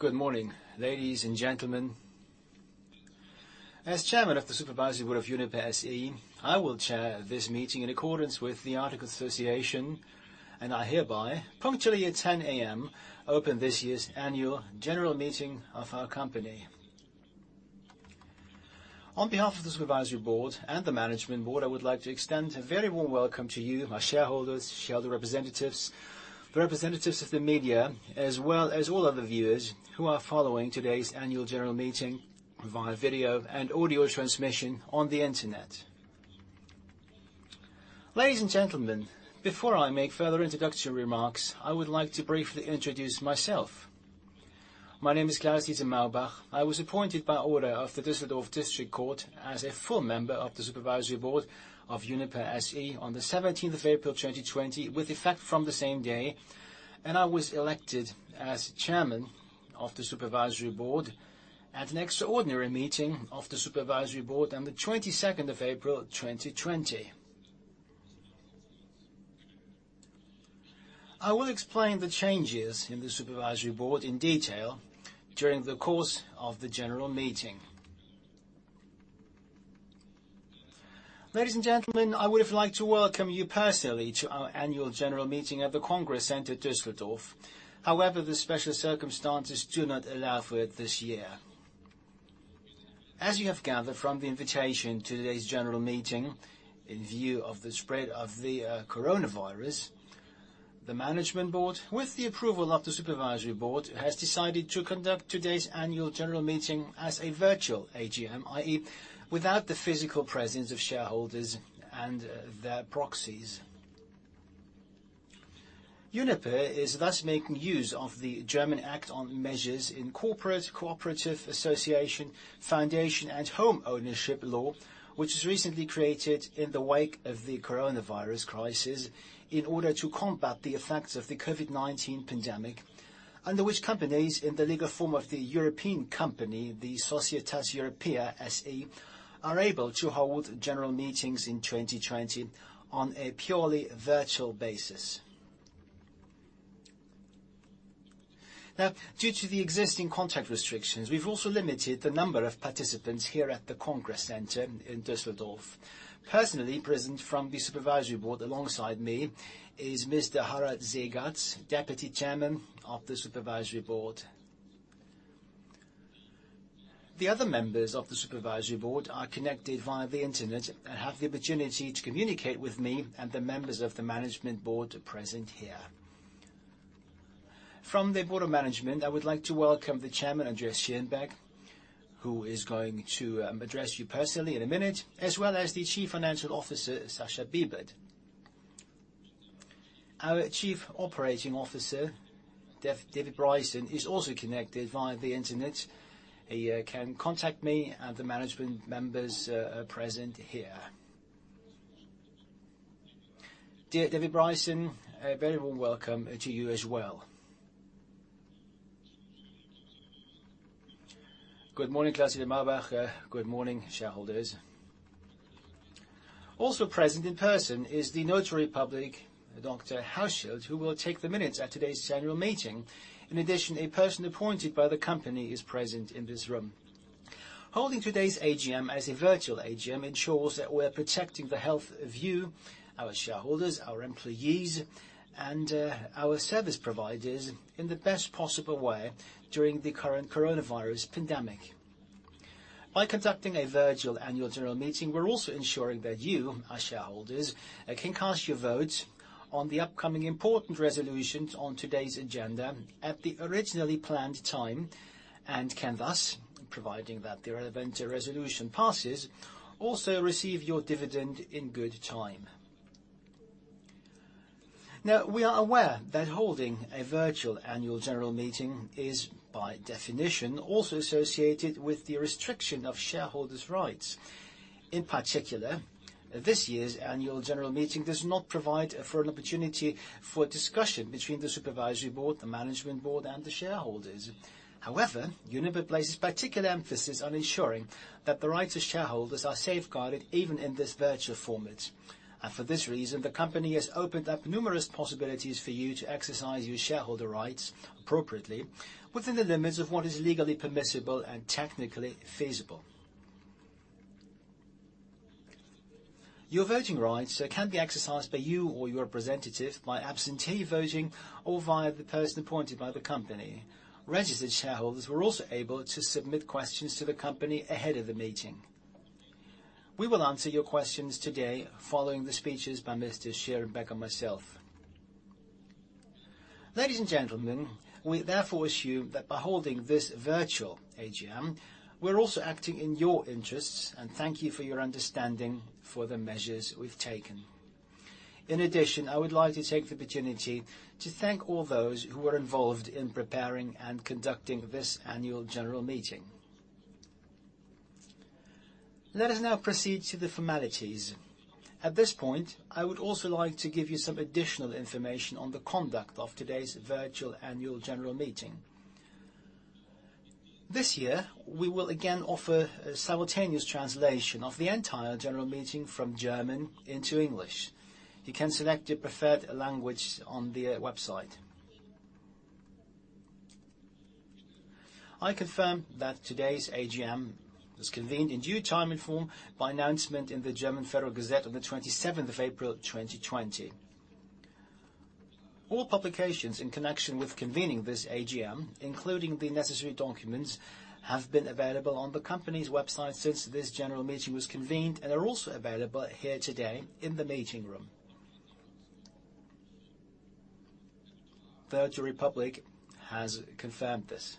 Good morning, ladies and gentlemen. As chairman of the supervisory board of Uniper SE, I will chair this meeting in accordance with the articles of association, and I hereby, punctually at 10:00 A.M., open this year's annual general meeting of our company. On behalf of the supervisory board and the management board, I would like to extend a very warm welcome to you, our shareholders, shareholder representatives, the representatives of the media, as well as all other viewers who are following today's annual general meeting via video and audio transmission on the internet. Ladies and gentlemen, before I make further introductory remarks, I would like to briefly introduce myself. My name is Klaus-Dieter Maubach. I was appointed by order of the Düsseldorf District Court as a full member of the supervisory board of Uniper SE on the 17th of April, 2020, with effect from the same day, and I was elected as chairman of the supervisory board at an extraordinary meeting of the supervisory board on the 22nd of April, 2020. I will explain the changes in the supervisory board in detail during the course of the general meeting. Ladies and gentlemen, I would have liked to welcome you personally to our annual general meeting at the Congress Center Düsseldorf. The special circumstances do not allow for it this year. As you have gathered from the invitation to today's general meeting, in view of the spread of the coronavirus, the Management Board, with the approval of the Supervisory Board, has decided to conduct today's Annual General Meeting as a virtual AGM, i.e., without the physical presence of shareholders and their proxies. Uniper is thus making use of the German Act on Measures in Corporate, Cooperative, Association, Foundation and Home Ownership Law, which was recently created in the wake of the coronavirus crisis in order to combat the effects of the COVID-19 pandemic, under which companies in the legal form of the European company, the Societas Europaea SE, are able to hold general meetings in 2020 on a purely virtual basis. Due to the existing contact restrictions, we've also limited the number of participants here at the Congress Center in Düsseldorf. Personally present from the Supervisory Board alongside me is Mr. Harald Seegatz, Deputy Chairman of the Supervisory Board. The other members of the Supervisory Board are connected via the internet and have the opportunity to communicate with me and the members of the Management Board present here. From the Board of Management, I would like to welcome the Chairman, Andreas Schierenbeck, who is going to address you personally in a minute, as well as the Chief Financial Officer, Sascha Bibert. Our Chief Operating Officer, David Bryson, is also connected via the internet. He can contact me and the management members present here. Dear David Bryson, a very warm welcome to you as well. Good morning, Klaus-Dieter Maubach. Good morning, shareholders. Also present in person is the Notary Public, Dr. Hauschild, who will take the minutes at today's General Meeting. In addition, a person appointed by the company is present in this room. Holding today's AGM as a virtual AGM ensures that we're protecting the health of you, our shareholders, our employees, and our service providers in the best possible way during the current COVID-19 pandemic. By conducting a virtual annual general meeting, we're also ensuring that you, our shareholders, can cast your votes on the upcoming important resolutions on today's agenda at the originally planned time and can thus, providing that the relevant resolution passes, also receive your dividend in good time. We are aware that holding a virtual annual general meeting is, by definition, also associated with the restriction of shareholders' rights. In particular, this year's annual general meeting does not provide for an opportunity for discussion between the Supervisory Board, the Management Board, and the shareholders. However, Uniper places particular emphasis on ensuring that the rights of shareholders are safeguarded even in this virtual format. For this reason, the company has opened up numerous possibilities for you to exercise your shareholder rights appropriately within the limits of what is legally permissible and technically feasible. Your voting rights can be exercised by you or your representative by absentee voting or via the person appointed by the company. Registered shareholders were also able to submit questions to the company ahead of the meeting. We will answer your questions today following the speeches by Mr. Schierenbeck and myself. Ladies and gentlemen, we therefore assume that by holding this virtual AGM, we're also acting in your interests and thank you for your understanding for the measures we've taken. In addition, I would like to take the opportunity to thank all those who are involved in preparing and conducting this annual general meeting. Let us now proceed to the formalities. At this point, I would also like to give you some additional information on the conduct of today's virtual annual general meeting. This year, we will again offer simultaneous translation of the entire general meeting from German into English. You can select your preferred language on the website. I confirm that today's AGM was convened in due time and form by announcement in the German Federal Gazette on the 27th of April, 2020. All publications in connection with convening this AGM, including the necessary documents, have been available on the company's website since this general meeting was convened, and are also available here today in the meeting room. The notary public has confirmed this.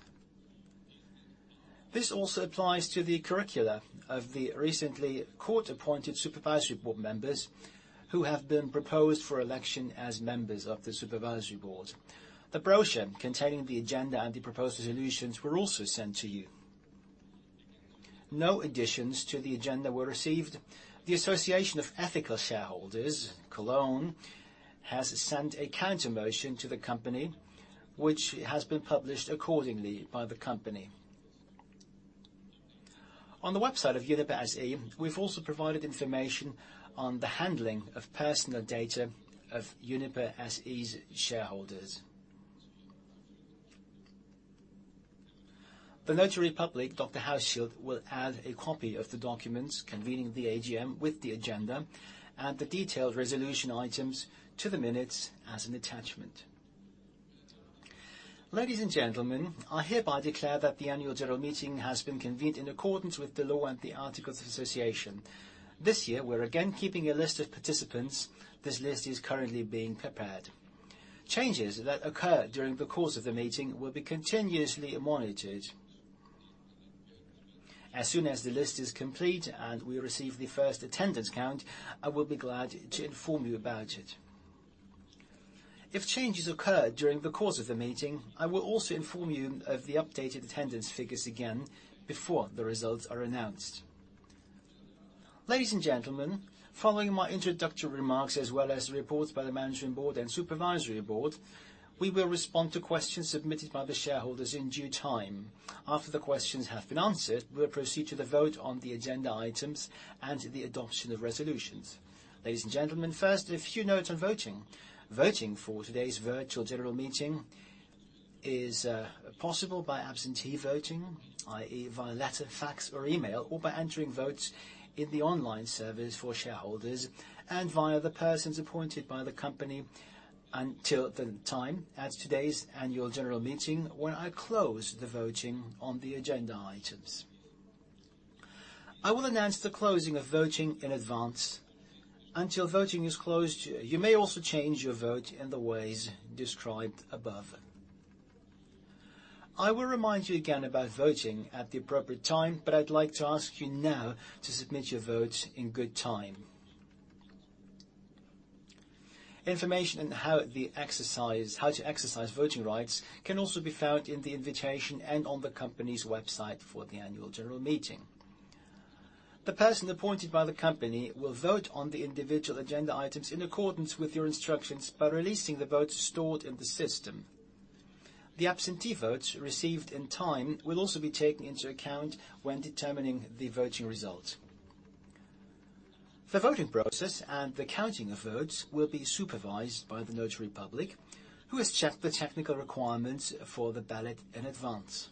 This also applies to the curricula of the recently court-appointed Supervisory Board members who have been proposed for election as members of the Supervisory Board. The brochure containing the agenda and the proposed resolutions were also sent to you. No additions to the agenda were received. The Association of Ethical Shareholders Germany has sent a counter motion to the company, which has been published accordingly by the company. On the website of Uniper SE, we've also provided information on the handling of personal data of Uniper SE's shareholders. The notary public, Dr. Hauschild, will add a copy of the documents convening the AGM with the agenda and the detailed resolution items to the minutes as an attachment. Ladies and gentlemen, I hereby declare that the Annual General Meeting has been convened in accordance with the law and the articles of association. This year, we're again keeping a list of participants. This list is currently being prepared. Changes that occur during the course of the meeting will be continuously monitored. As soon as the list is complete and we receive the first attendance count, I will be glad to inform you about it. If changes occur during the course of the meeting, I will also inform you of the updated attendance figures again before the results are announced. Ladies and gentlemen, following my introductory remarks, as well as the reports by the management board and supervisory board, we will respond to questions submitted by the shareholders in due time. After the questions have been answered, we'll proceed to the vote on the agenda items and the adoption of resolutions. Ladies and gentlemen, first, a few notes on voting. Voting for today's virtual general meeting is possible by absentee voting, i.e., via letter, fax, or email, or by entering votes in the online service for shareholders and via the persons appointed by the company, until the time at today's annual general meeting when I close the voting on the agenda items. I will announce the closing of voting in advance. Until voting is closed, you may also change your vote in the ways described above. I will remind you again about voting at the appropriate time, but I'd like to ask you now to submit your votes in good time. Information on how to exercise voting rights can also be found in the invitation and on the company's website for the annual general meeting. The person appointed by the company will vote on the individual agenda items in accordance with your instructions by releasing the votes stored in the system. The absentee votes received in time will also be taken into account when determining the voting results. The voting process and the counting of votes will be supervised by the notary public, who has checked the technical requirements for the ballot in advance.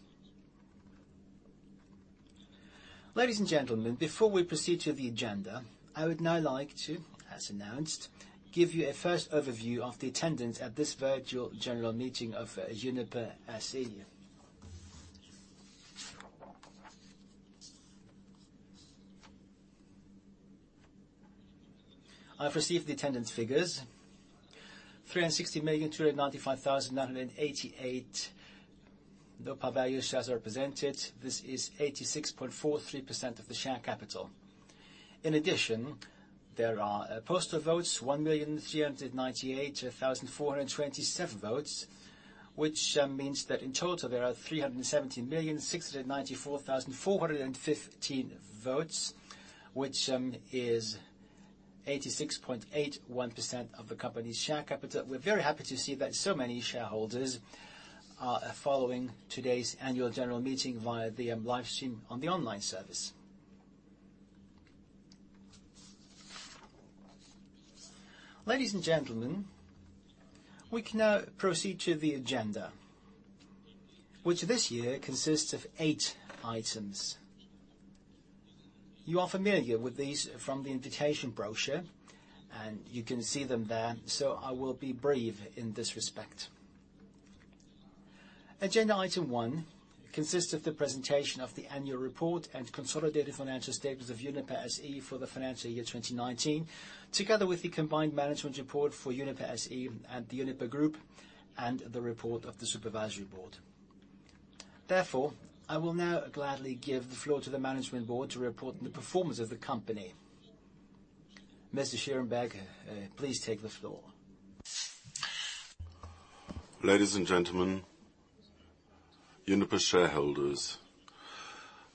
Ladies and gentlemen, before we proceed to the agenda, I would now like to, as announced, give you a first overview of the attendance at this virtual general meeting of Uniper SE. I've received the attendance figures. 360,295,988 nominal value shares are represented. This is 86.43% of the share capital. In addition, there are postal votes, 1,398,427 votes, which means that in total there are 317,694,415 votes, which is 86.81% of the company's share capital. We're very happy to see that so many shareholders are following today's annual general meeting via the live stream on the online service. Ladies and gentlemen, we can now proceed to the agenda, which this year consists of eight items. You are familiar with these from the invitation brochure. You can see them there. I will be brief in this respect. Agenda item 1 consists of the presentation of the annual report and consolidated financial statements of Uniper SE for the financial year 2019, together with the combined management report for Uniper SE and the Uniper Group and the report of the Supervisory Board. I will now gladly give the floor to the management board to report on the performance of the company. Mr. Schierenbeck, please take the floor. Ladies and gentlemen, Uniper shareholders.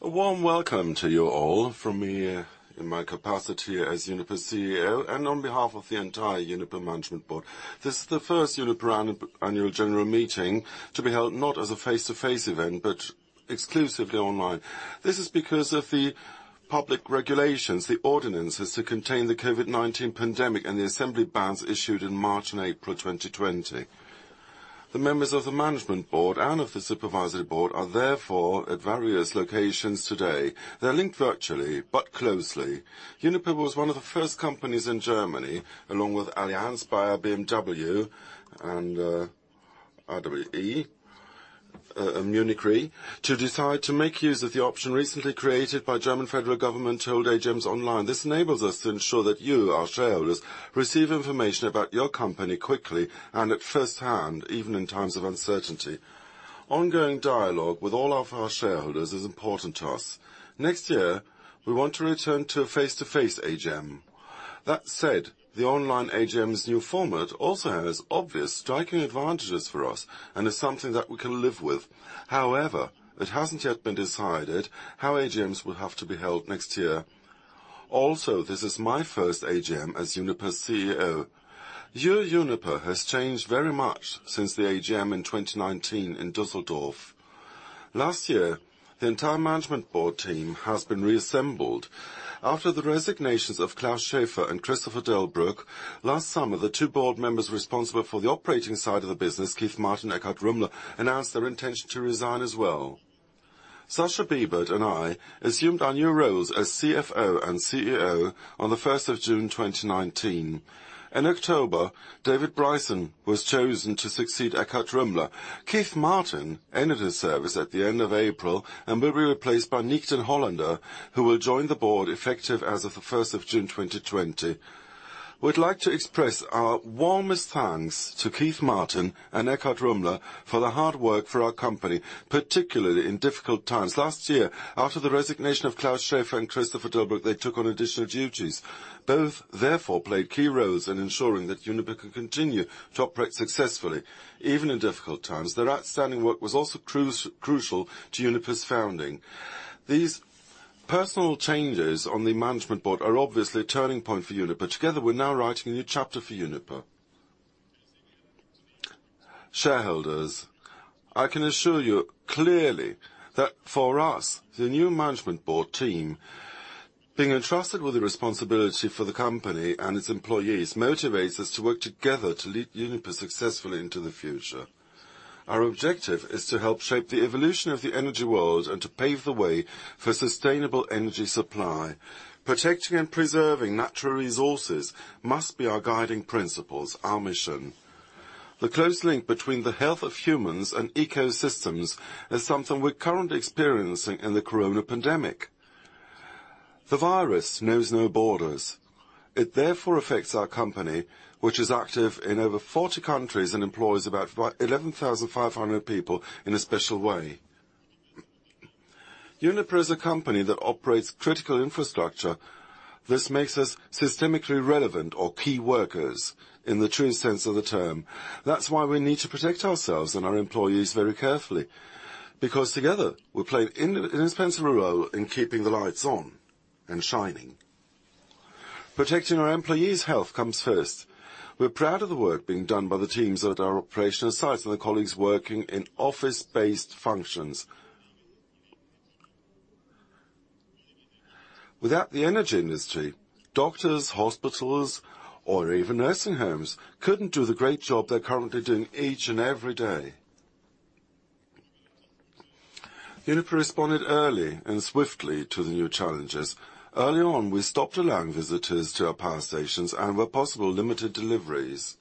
A warm welcome to you all from me in my capacity as Uniper CEO and on behalf of the entire Uniper management board. This is the first Uniper Annual General Meeting to be held not as a face-to-face event, but exclusively online. This is because of the public regulations, the ordinances to contain the COVID-19 pandemic and the assembly bans issued in March and April 2020. The members of the management board and of the Supervisory Board are therefore at various locations today. They're linked virtually, but closely. Uniper was one of the first companies in Germany, along with Allianz, Bayer, BMW, and RWE, Munich Re, to decide to make use of the option recently created by German federal government to hold AGMs online. This enables us to ensure that you, our shareholders, receive information about your company quickly and at firsthand, even in times of uncertainty. Ongoing dialogue with all of our shareholders is important to us. Next year, we want to return to face-to-face AGM. That said, the online AGM's new format also has obvious striking advantages for us and is something that we can live with. However, it hasn't yet been decided how AGMs will have to be held next year. Also, this is my first AGM as Uniper CEO. Your Uniper has changed very much since the AGM in 2019 in Düsseldorf. Last year, the entire management board team has been reassembled. After the resignations of Klaus Schäfer and Christopher Delbrück, last summer, the two board members responsible for the operating side of the business, Keith Martin, Eckhardt Rümmler, announced their intention to resign as well. Sascha Bibert and I assumed our new roles as CFO and CEO on the 1st of June 2019. In October, David Bryson was chosen to succeed Eckhardt Rümmler. Keith Martin ended his service at the end of April and will be replaced by Niek den Hollander, who will join the board effective as of the 1st of June 2020. We'd like to express our warmest thanks to Keith Martin and Eckhardt Rümmler for the hard work for our company, particularly in difficult times. Last year, after the resignation of Klaus Schäfer and Christopher Delbrück, they took on additional duties. Both therefore played key roles in ensuring that Uniper can continue to operate successfully, even in difficult times. Their outstanding work was also crucial to Uniper's founding. These personal changes on the management board are obviously a turning point for Uniper. Together, we're now writing a new chapter for Uniper. Shareholders, I can assure you clearly that for us, the new management board team being entrusted with the responsibility for the company and its employees motivates us to work together to lead Uniper successfully into the future. Our objective is to help shape the evolution of the energy world and to pave the way for sustainable energy supply. Protecting and preserving natural resources must be our guiding principles, our mission. The close link between the health of humans and ecosystems is something we're currently experiencing in the coronavirus pandemic. The virus knows no borders. It therefore affects our company, which is active in over 40 countries and employs about 11,500 people in a special way. Uniper is a company that operates critical infrastructure. This makes us systemically relevant or key workers in the true sense of the term. That's why we need to protect ourselves and our employees very carefully, because together, we play an indispensable role in keeping the lights on and shining. Protecting our employees' health comes first. We're proud of the work being done by the teams at our operational sites and the colleagues working in office-based functions. Without the energy industry, doctors, hospitals, or even nursing homes couldn't do the great job they're currently doing each and every day. Uniper responded early and swiftly to the new challenges. Early on, we stopped allowing visitors to our power stations and where possible, limited deliveries.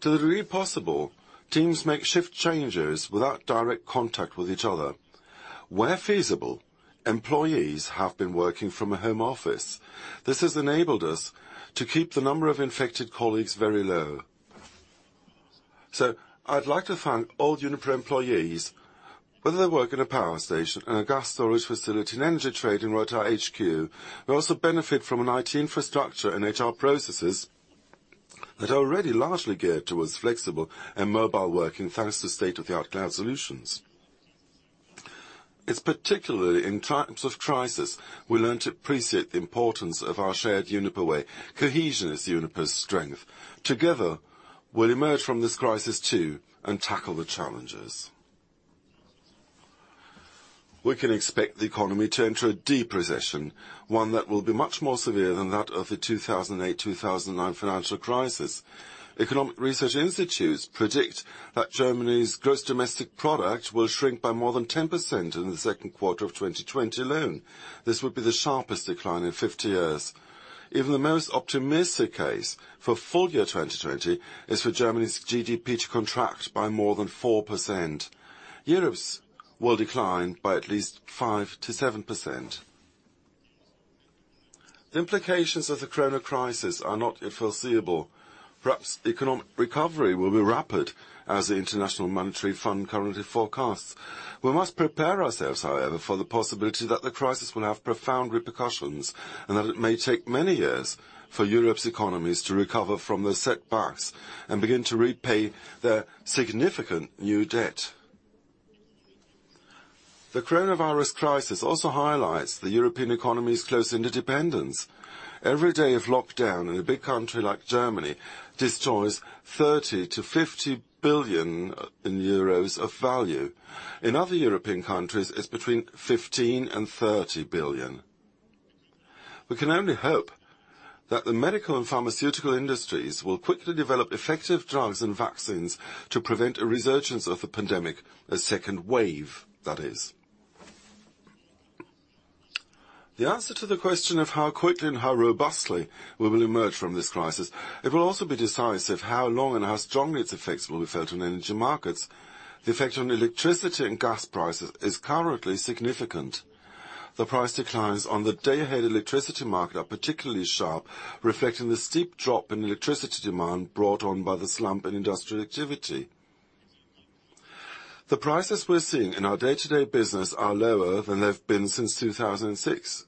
To the degree possible, teams make shift changes without direct contact with each other. Where feasible, employees have been working from a home office. This has enabled us to keep the number of infected colleagues very low. I'd like to thank all Uniper employees, whether they work in a power station, in a gas storage facility, in energy trading, or at our HQ. They also benefit from an IT infrastructure and HR processes that are already largely geared towards flexible and mobile working, thanks to state-of-the-art cloud solutions. It's particularly in times of crisis, we learn to appreciate the importance of our shared Uniper way. Cohesion is Uniper's strength. Together, we'll emerge from this crisis, too, and tackle the challenges. We can expect the economy to enter a deep recession, one that will be much more severe than that of the 2008-2009 financial crisis. Economic research institutes predict that Germany's gross domestic product will shrink by more than 10% in the second quarter of 2020 alone. This would be the sharpest decline in 50 years. Even the most optimistic case for full year 2020 is for Germany's GDP to contract by more than 4%. Europe's will decline by at least 5%-7%. The implications of the coronavirus crisis are not foreseeable. Perhaps economic recovery will be rapid as the International Monetary Fund currently forecasts. We must prepare ourselves, however, for the possibility that the crisis will have profound repercussions and that it may take many years for Europe's economies to recover from those setbacks and begin to repay their significant new debt. The coronavirus crisis also highlights the European economy's close interdependence. Every day of lockdown in a big country like Germany destroys 30 billion-50 billion euros of value. In other European countries, it's between 15 billion and 30 billion. We can only hope that the medical and pharmaceutical industries will quickly develop effective drugs and vaccines to prevent a resurgence of the pandemic, a second wave, that is. The answer to the question of how quickly and how robustly we will emerge from this crisis, it will also be decisive how long and how strongly its effects will be felt on energy markets. The effect on electricity and gas prices is currently significant. The price declines on the day-ahead electricity market are particularly sharp, reflecting the steep drop in electricity demand brought on by the slump in industrial activity. The prices we're seeing in our day-to-day business are lower than they've been since 2006.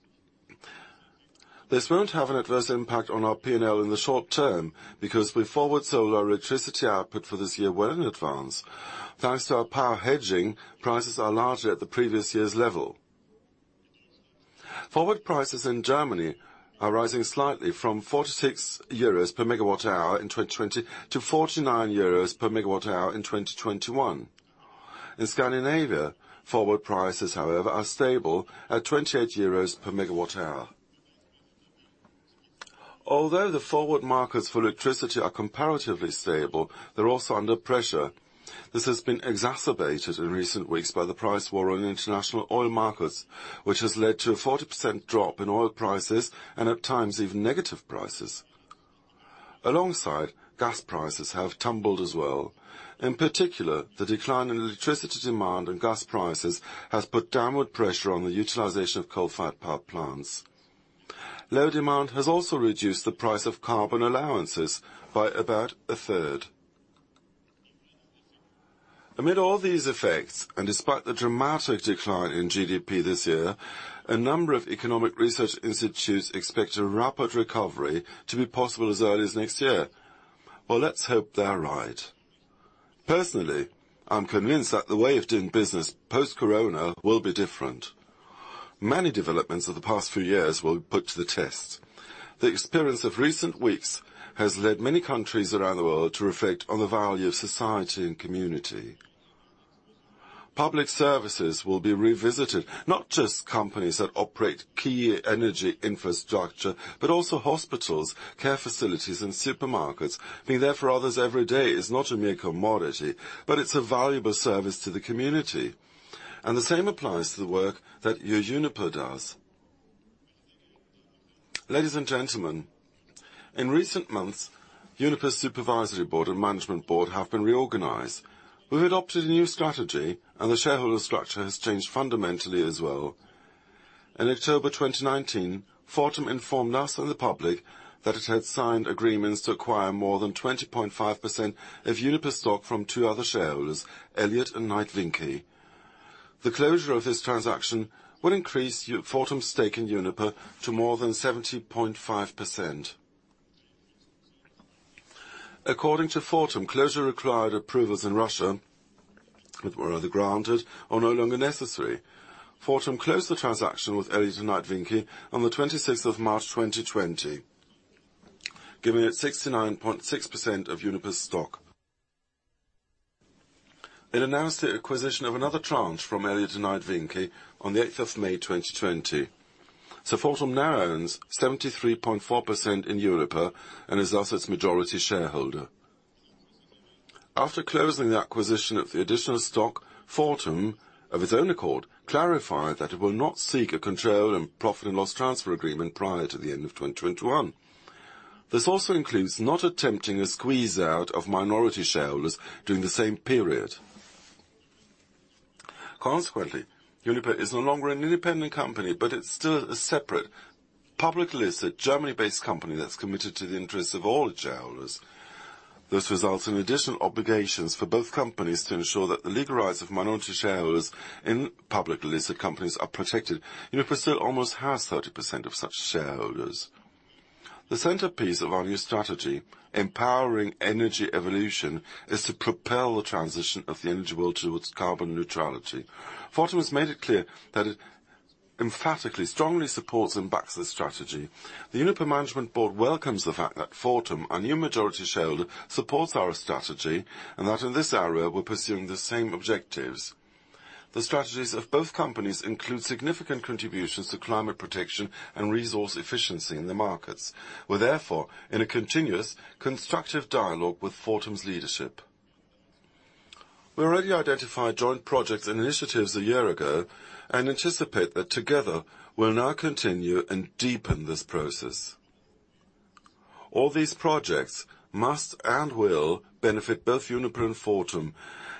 This won't have an adverse impact on our P&L in the short term, because we forward sold our electricity output for this year well in advance. Thanks to our power hedging, prices are largely at the previous year's level. Forward prices in Germany are rising slightly from 46 euros per megawatt hour in 2020 to 49 euros per megawatt hour in 2021. In Scandinavia, forward prices, however, are stable at 28 euros per megawatt hour. Although the forward markets for electricity are comparatively stable, they're also under pressure. This has been exacerbated in recent weeks by the price war on international oil markets, which has led to a 40% drop in oil prices and at times even negative prices. Gas prices have tumbled as well. In particular, the decline in electricity demand and gas prices has put downward pressure on the utilization of coal-fired power plants. Low demand has also reduced the price of carbon allowances by about a third. Amid all these effects, and despite the dramatic decline in GDP this year, a number of economic research institutes expect a rapid recovery to be possible as early as next year. Let's hope they're right. Personally, I'm convinced that the way of doing business post-corona will be different. Many developments of the past few years will be put to the test. The experience of recent weeks has led many countries around the world to reflect on the value of society and community. Public services will be revisited, not just companies that operate key energy infrastructure, but also hospitals, care facilities, and supermarkets. Being there for others every day is not a mere commodity, but it's a valuable service to the community. The same applies to the work that your Uniper does. Ladies and gentlemen, in recent months, Uniper's Supervisory Board and Management Board have been reorganized. We've adopted a new strategy. The shareholder structure has changed fundamentally as well. In October 2019, Fortum informed us and the public that it had signed agreements to acquire more than 20.5% of Uniper's stock from two other shareholders, Elliott and Knight Vinke. The closure of this transaction will increase Fortum's stake in Uniper to more than 70.5%. According to Fortum, closure required approvals in Russia, which were already granted or are no longer necessary. Fortum closed the transaction with Elliott and Knight Vinke on the 26th of March 2020, giving it 69.6% of Uniper's stock. It announced the acquisition of another tranche from Elliott and Knight Vinke on the 8th of May 2020. Fortum now owns 73.4% in Uniper and is thus its majority shareholder. After closing the acquisition of the additional stock, Fortum, of its own accord, clarified that it will not seek a control and profit and loss transfer agreement prior to the end of 2021. This also includes not attempting a squeeze-out of minority shareholders during the same period. Consequently, Uniper is no longer an independent company, but it's still a separate publicly listed Germany-based company that's committed to the interests of all its shareholders. This results in additional obligations for both companies to ensure that the legal rights of minority shareholders in publicly listed companies are protected. Uniper still almost has 30% of such shareholders. The centerpiece of our new strategy, Empowering Energy Evolution, is to propel the transition of the energy world towards carbon neutrality. Fortum has made it clear that it emphatically, strongly supports and backs this strategy. The Uniper management board welcomes the fact that Fortum, our new majority shareholder, supports our strategy, and that in this area, we're pursuing the same objectives. The strategies of both companies include significant contributions to climate protection and resource efficiency in the markets. We're therefore in a continuous constructive dialogue with Fortum's leadership. We already identified joint projects and initiatives a year ago and anticipate that together we'll now continue and deepen this process. All these projects must and will benefit both Uniper and Fortum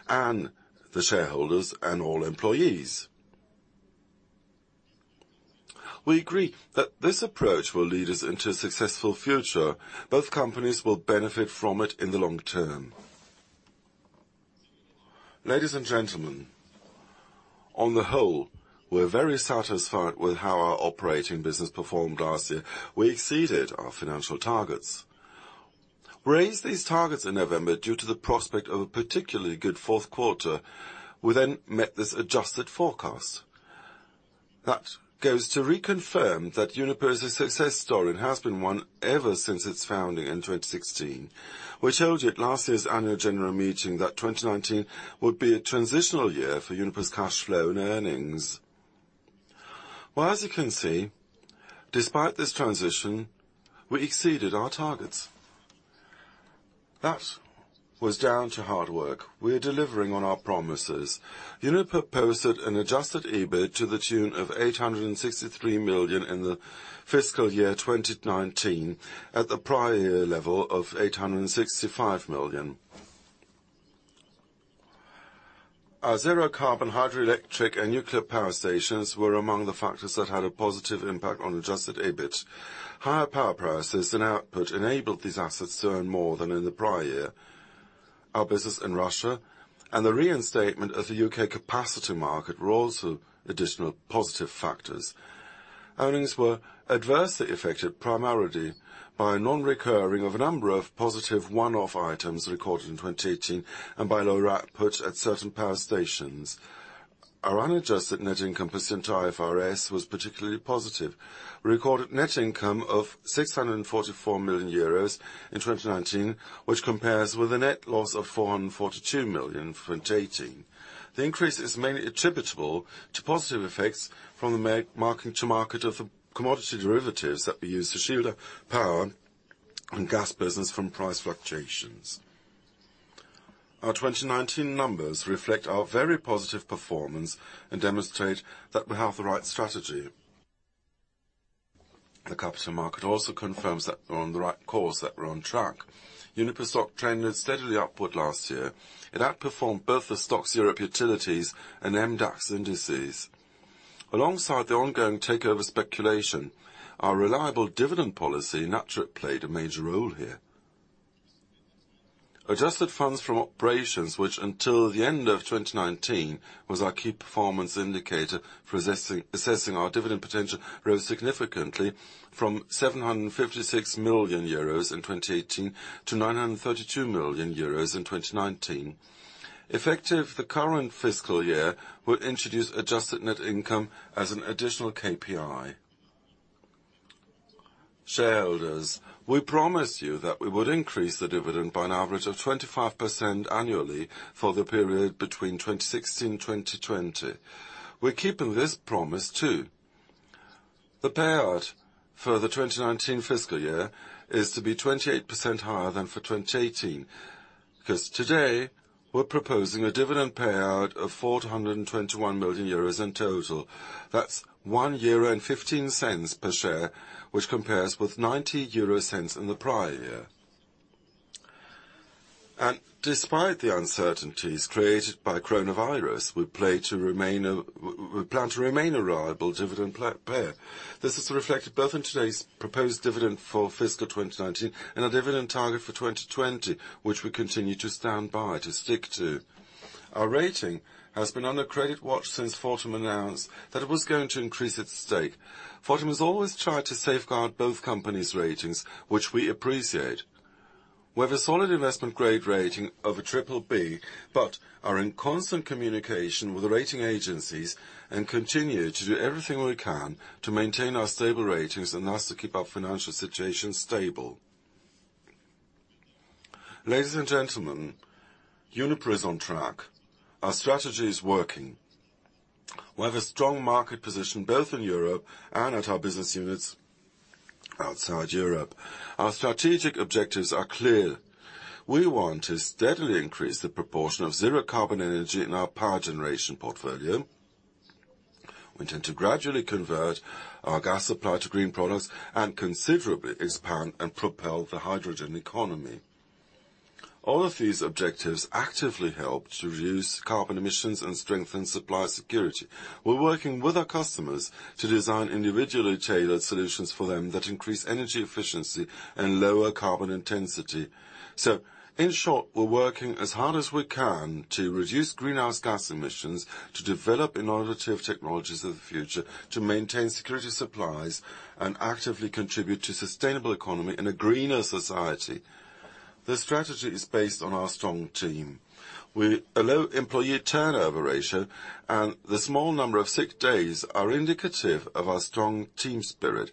and the shareholders and all employees. We agree that this approach will lead us into a successful future. Both companies will benefit from it in the long term. Ladies and gentlemen, on the whole, we're very satisfied with how our operating business performed last year. We exceeded our financial targets. We raised these targets in November due to the prospect of a particularly good fourth quarter. We met this adjusted forecast. That goes to reconfirm that Uniper's success story has been one ever since its founding in 2016. We told you at last year's annual general meeting that 2019 would be a transitional year for Uniper's cash flow and earnings. As you can see, despite this transition, we exceeded our targets. That was down to hard work. We're delivering on our promises. Uniper posted an adjusted EBIT to the tune of 863 million in the fiscal year 2019, at the prior year level of 865 million. Our zero carbon hydroelectric and nuclear power stations were among the factors that had a positive impact on adjusted EBIT. Higher power prices and output enabled these assets to earn more than in the prior year. Our business in Russia and the reinstatement of the UK capacity market were also additional positive factors. Earnings were adversely affected primarily by a non-recurring of a number of positive one-off items recorded in 2018 and by lower output at certain power stations. Our unadjusted net income per IFRS was particularly positive. We recorded net income of 644 million euros in 2019, which compares with a net loss of 442 million for 2018. The increase is mainly attributable to positive effects from the marking to market of the commodity derivatives that we use to shield our power and gas business from price fluctuations. Our 2019 numbers reflect our very positive performance and demonstrate that we have the right strategy. The capital market also confirms that we're on the right course, that we're on track. Uniper stock trended steadily upward last year. It outperformed both the Stoxx Europe Utilities and MDAX indices. Alongside the ongoing takeover speculation, our reliable dividend policy naturally played a major role here. Adjusted funds from operations, which until the end of 2019 was our key performance indicator for assessing our dividend potential, rose significantly from 756 million euros in 2018 to 932 million euros in 2019. Effective the current fiscal year, we'll introduce adjusted net income as an additional KPI. Shareholders, we promised you that we would increase the dividend by an average of 25% annually for the period between 2016 and 2020. We're keeping this promise too. The payout for the 2019 fiscal year is to be 28% higher than for 2018, because today we're proposing a dividend payout of 421 million euros in total. That's 1.15 euro per share, which compares with 0.90 in the prior year. Despite the uncertainties created by COVID-19, we plan to remain a reliable dividend payer. This is reflected both in today's proposed dividend for fiscal 2019 and our dividend target for 2020, which we continue to stand by, to stick to. Our rating has been under credit watch since Fortum announced that it was going to increase its stake. Fortum has always tried to safeguard both companies' ratings, which we appreciate. We have a solid investment-grade rating of a BBB, but are in constant communication with the rating agencies and continue to do everything we can to maintain our stable ratings and thus to keep our financial situation stable. Ladies and gentlemen, Uniper is on track. Our strategy is working. We have a strong market position both in Europe and at our business units outside Europe. Our strategic objectives are clear. We want to steadily increase the proportion of zero-carbon energy in our power generation portfolio. We intend to gradually convert our gas supply to green products and considerably expand and propel the hydrogen economy. All of these objectives actively help to reduce carbon emissions and strengthen supply security. We're working with our customers to design individually tailored solutions for them that increase energy efficiency and lower carbon intensity. In short, we're working as hard as we can to reduce greenhouse gas emissions, to develop innovative technologies of the future, to maintain security supplies, and actively contribute to a sustainable economy and a greener society. The strategy is based on our strong team. A low employee turnover ratio and the small number of sick days are indicative of our strong team spirit,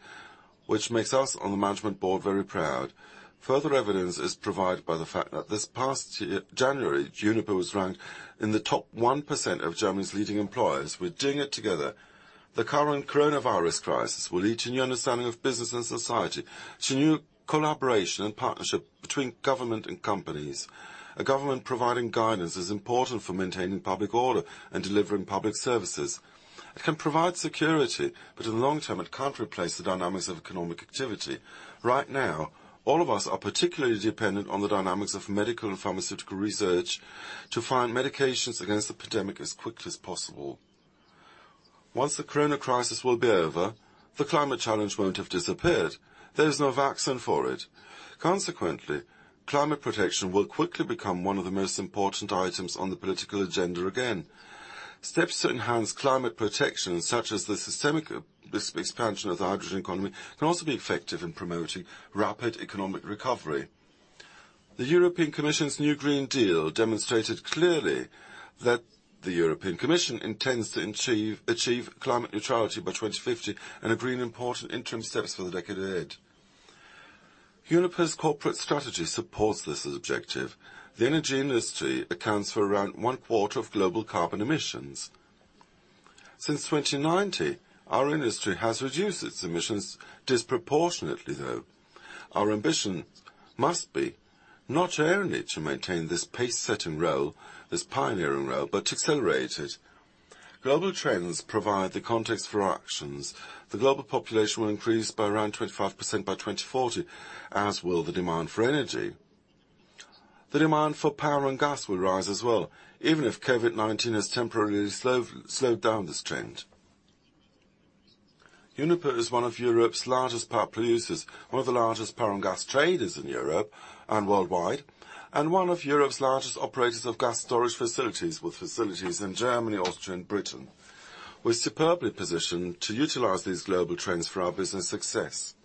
which makes us on the management board very proud. Further evidence is provided by the fact that this past January, Uniper was ranked in the top 1% of Germany's leading employers. We're doing it together. The current coronavirus crisis will lead to new understanding of business and society, to new collaboration and partnership between government and companies. A government providing guidance is important for maintaining public order and delivering public services. It can provide security, but in the long term, it can't replace the dynamics of economic activity. Right now, all of us are particularly dependent on the dynamics of medical and pharmaceutical research to find medications against the pandemic as quickly as possible. Once the corona crisis will be over, the climate challenge won't have disappeared. There is no vaccine for it. Consequently, climate protection will quickly become one of the most important items on the political agenda again. Steps to enhance climate protection, such as the systemic expansion of the hydrogen economy, can also be effective in promoting rapid economic recovery. The European Commission's new Green Deal demonstrated clearly that the European Commission intends to achieve climate neutrality by 2050 and agree important interim steps for the decade ahead. Uniper's corporate strategy supports this objective. The energy industry accounts for around one-quarter of global carbon emissions. Since 2019, our industry has reduced its emissions disproportionately, though. Our ambition must be not only to maintain this pace-setting role, this pioneering role, but to accelerate it. Global trends provide the context for our actions. The global population will increase by around 25% by 2040, as will the demand for energy. The demand for power and gas will rise as well, even if COVID-19 has temporarily slowed down this trend. Uniper is one of Europe's largest power producers, one of the largest power and gas traders in Europe and worldwide, and one of Europe's largest operators of gas storage facilities, with facilities in Germany, Austria, and Britain. We're superbly positioned to utilize these global trends for our business success.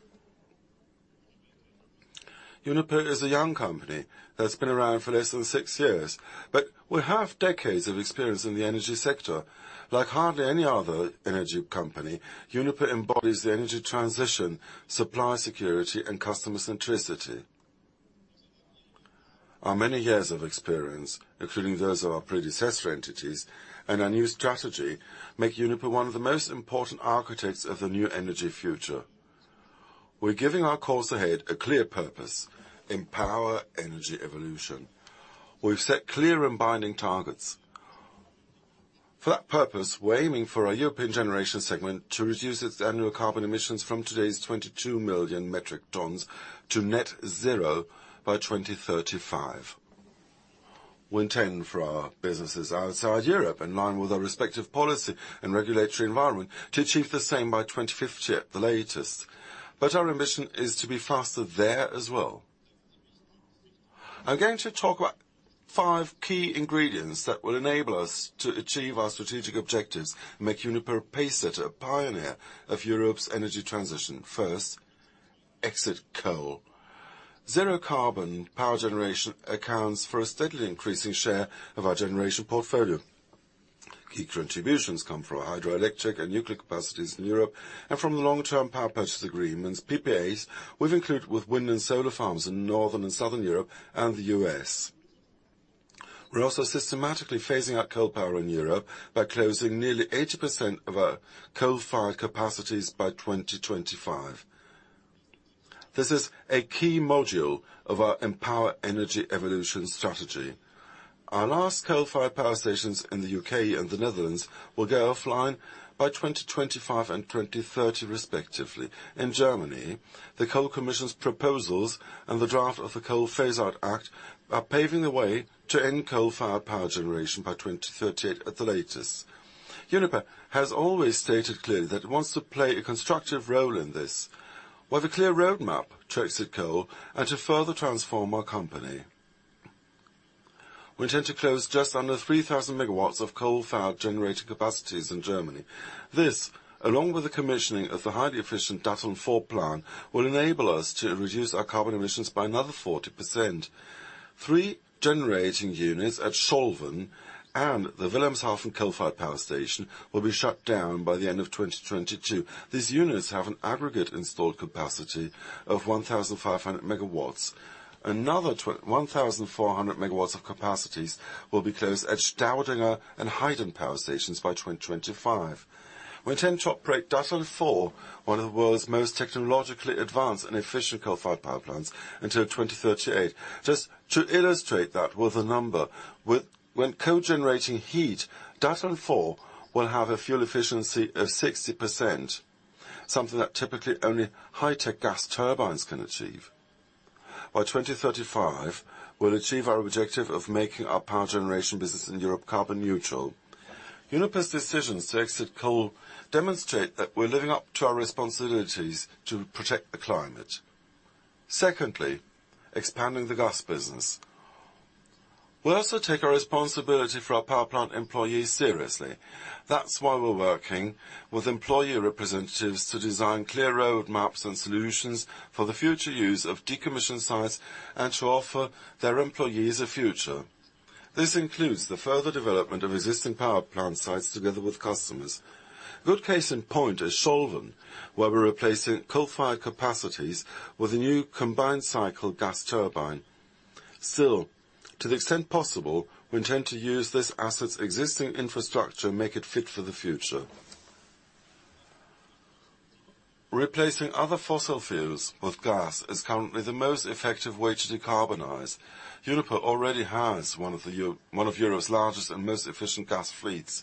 Uniper is a young company that's been around for less than six years, but we have decades of experience in the energy sector. Like hardly any other energy company, Uniper embodies the energy transition, supply security, and customer centricity. Our many years of experience, including those of our predecessor entities and our new strategy, make Uniper one of the most important architects of the new energy future. We're giving our course ahead a clear purpose, Empower Energy Evolution. We've set clear and binding targets. For that purpose, we're aiming for our European generation segment to reduce its annual carbon emissions from today's 22 million metric tons to net zero by 2035. We intend for our businesses outside Europe, in line with our respective policy and regulatory environment, to achieve the same by 2050 at the latest. Our ambition is to be faster there as well. I'm going to talk about five key ingredients that will enable us to achieve our strategic objectives and make Uniper a pacesetter, a pioneer of Europe's energy transition. First, exit coal. Zero carbon power generation accounts for a steadily increasing share of our generation portfolio. Key contributions come from hydroelectric and nuclear capacities in Europe and from the long-term power purchase agreements, PPAs, we've included with wind and solar farms in Northern and Southern Europe and the U.S. We're also systematically phasing out coal power in Europe by closing nearly 80% of our coal-fired capacities by 2025. This is a key module of our Empower Energy Evolution strategy. Our last coal-fired power stations in the U.K. and the Netherlands will go offline by 2025 and 2030, respectively. In Germany, the Coal Commission's proposals and the draft of the Coal Phase-Out Act are paving the way to end coal-fired power generation by 2038 at the latest. Uniper has always stated clearly that it wants to play a constructive role in this, with a clear roadmap to exit coal and to further transform our company. We intend to close just under 3,000 megawatts of coal-fired generating capacities in Germany. This, along with the commissioning of the highly efficient Datteln 4 plant, will enable us to reduce our carbon emissions by another 40%. Three generating units at Scholven and the Wilhelmshaven coal-fired power station will be shut down by the end of 2022. These units have an aggregate installed capacity of 1,500 MW. Another 1,400 MW of capacities will be closed at Staudinger and Heyden power stations by 2025. We intend to operate Datteln 4, one of the world's most technologically advanced and efficient coal-fired power plants, until 2038. Just to illustrate that with a number, when co-generating heat, Datteln 4 will have a fuel efficiency of 60%, something that typically only high-tech gas turbines can achieve. By 2035, we'll achieve our objective of making our power generation business in Europe carbon neutral. Uniper's decisions to exit coal demonstrate that we're living up to our responsibilities to protect the climate. Secondly, expanding the gas business. We also take our responsibility for our power plant employees seriously. That's why we're working with employee representatives to design clear roadmaps and solutions for the future use of decommissioned sites and to offer their employees a future. This includes the further development of existing power plant sites together with customers. Good case in point is Scholven, where we're replacing coal-fired capacities with a new combined-cycle gas turbine. To the extent possible, we intend to use this asset's existing infrastructure and make it fit for the future. Replacing other fossil fuels with gas is currently the most effective way to decarbonize. Uniper already has one of Europe's largest and most efficient gas fleets.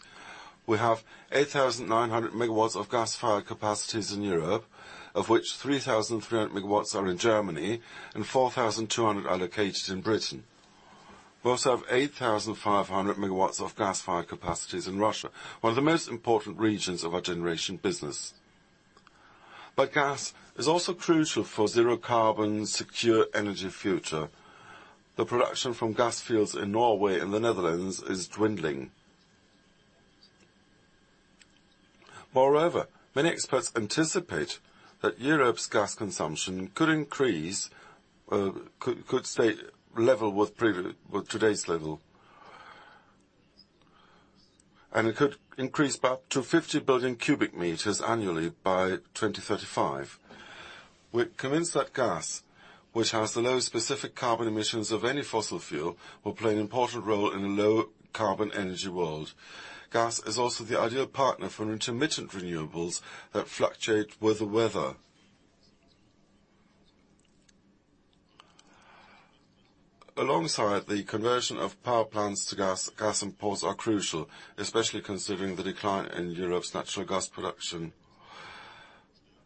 We have 8,900 megawatts of gas-fired capacities in Europe, of which 3,300 megawatts are in Germany and 4,200 are located in Britain. We also have 8,500 MW of gas-fired capacities in Russia, one of the most important regions of our generation business. Gas is also crucial for zero carbon secure energy future. The production from gas fields in Norway and the Netherlands is dwindling. Moreover, many experts anticipate that Europe's gas consumption could stay level with today's level, and it could increase back to 50 billion cubic meters annually by 2035. We're convinced that gas, which has the lowest specific carbon emissions of any fossil fuel, will play an important role in a low-carbon energy world. Gas is also the ideal partner for intermittent renewables that fluctuate with the weather. Alongside the conversion of power plants to gas imports are crucial, especially considering the decline in Europe's natural gas production.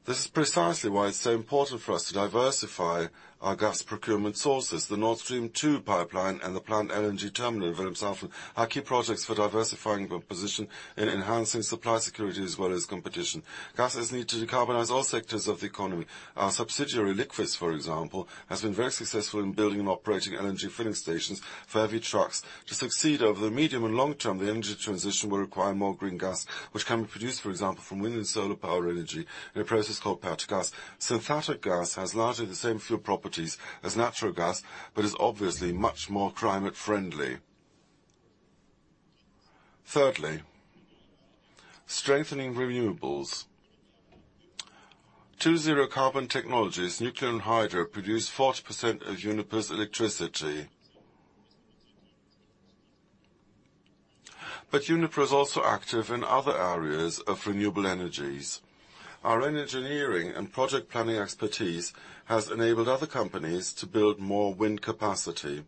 This is precisely why it's so important for us to diversify our gas procurement sources. The Nord Stream 2 pipeline and the planned LNG terminal in Wilhelmshaven are key projects for diversifying our position and enhancing supply security as well as competition. Gas is needed to decarbonize all sectors of the economy. Our subsidiary, Liqvis, for example, has been very successful in building and operating LNG filling stations for heavy trucks. To succeed over the medium and long term, the energy transition will require more green gas, which can be produced, for example, from wind and solar power energy in a process called power-to-gas. Synthetic gas has largely the same fuel properties as natural gas, but is obviously much more climate friendly. Thirdly, strengthening renewables. Two zero carbon technologies, nuclear and hydro, produce 40% of Uniper's electricity. Uniper is also active in other areas of renewable energies. Our engineering and project planning expertise has enabled other companies to build more wind capacity.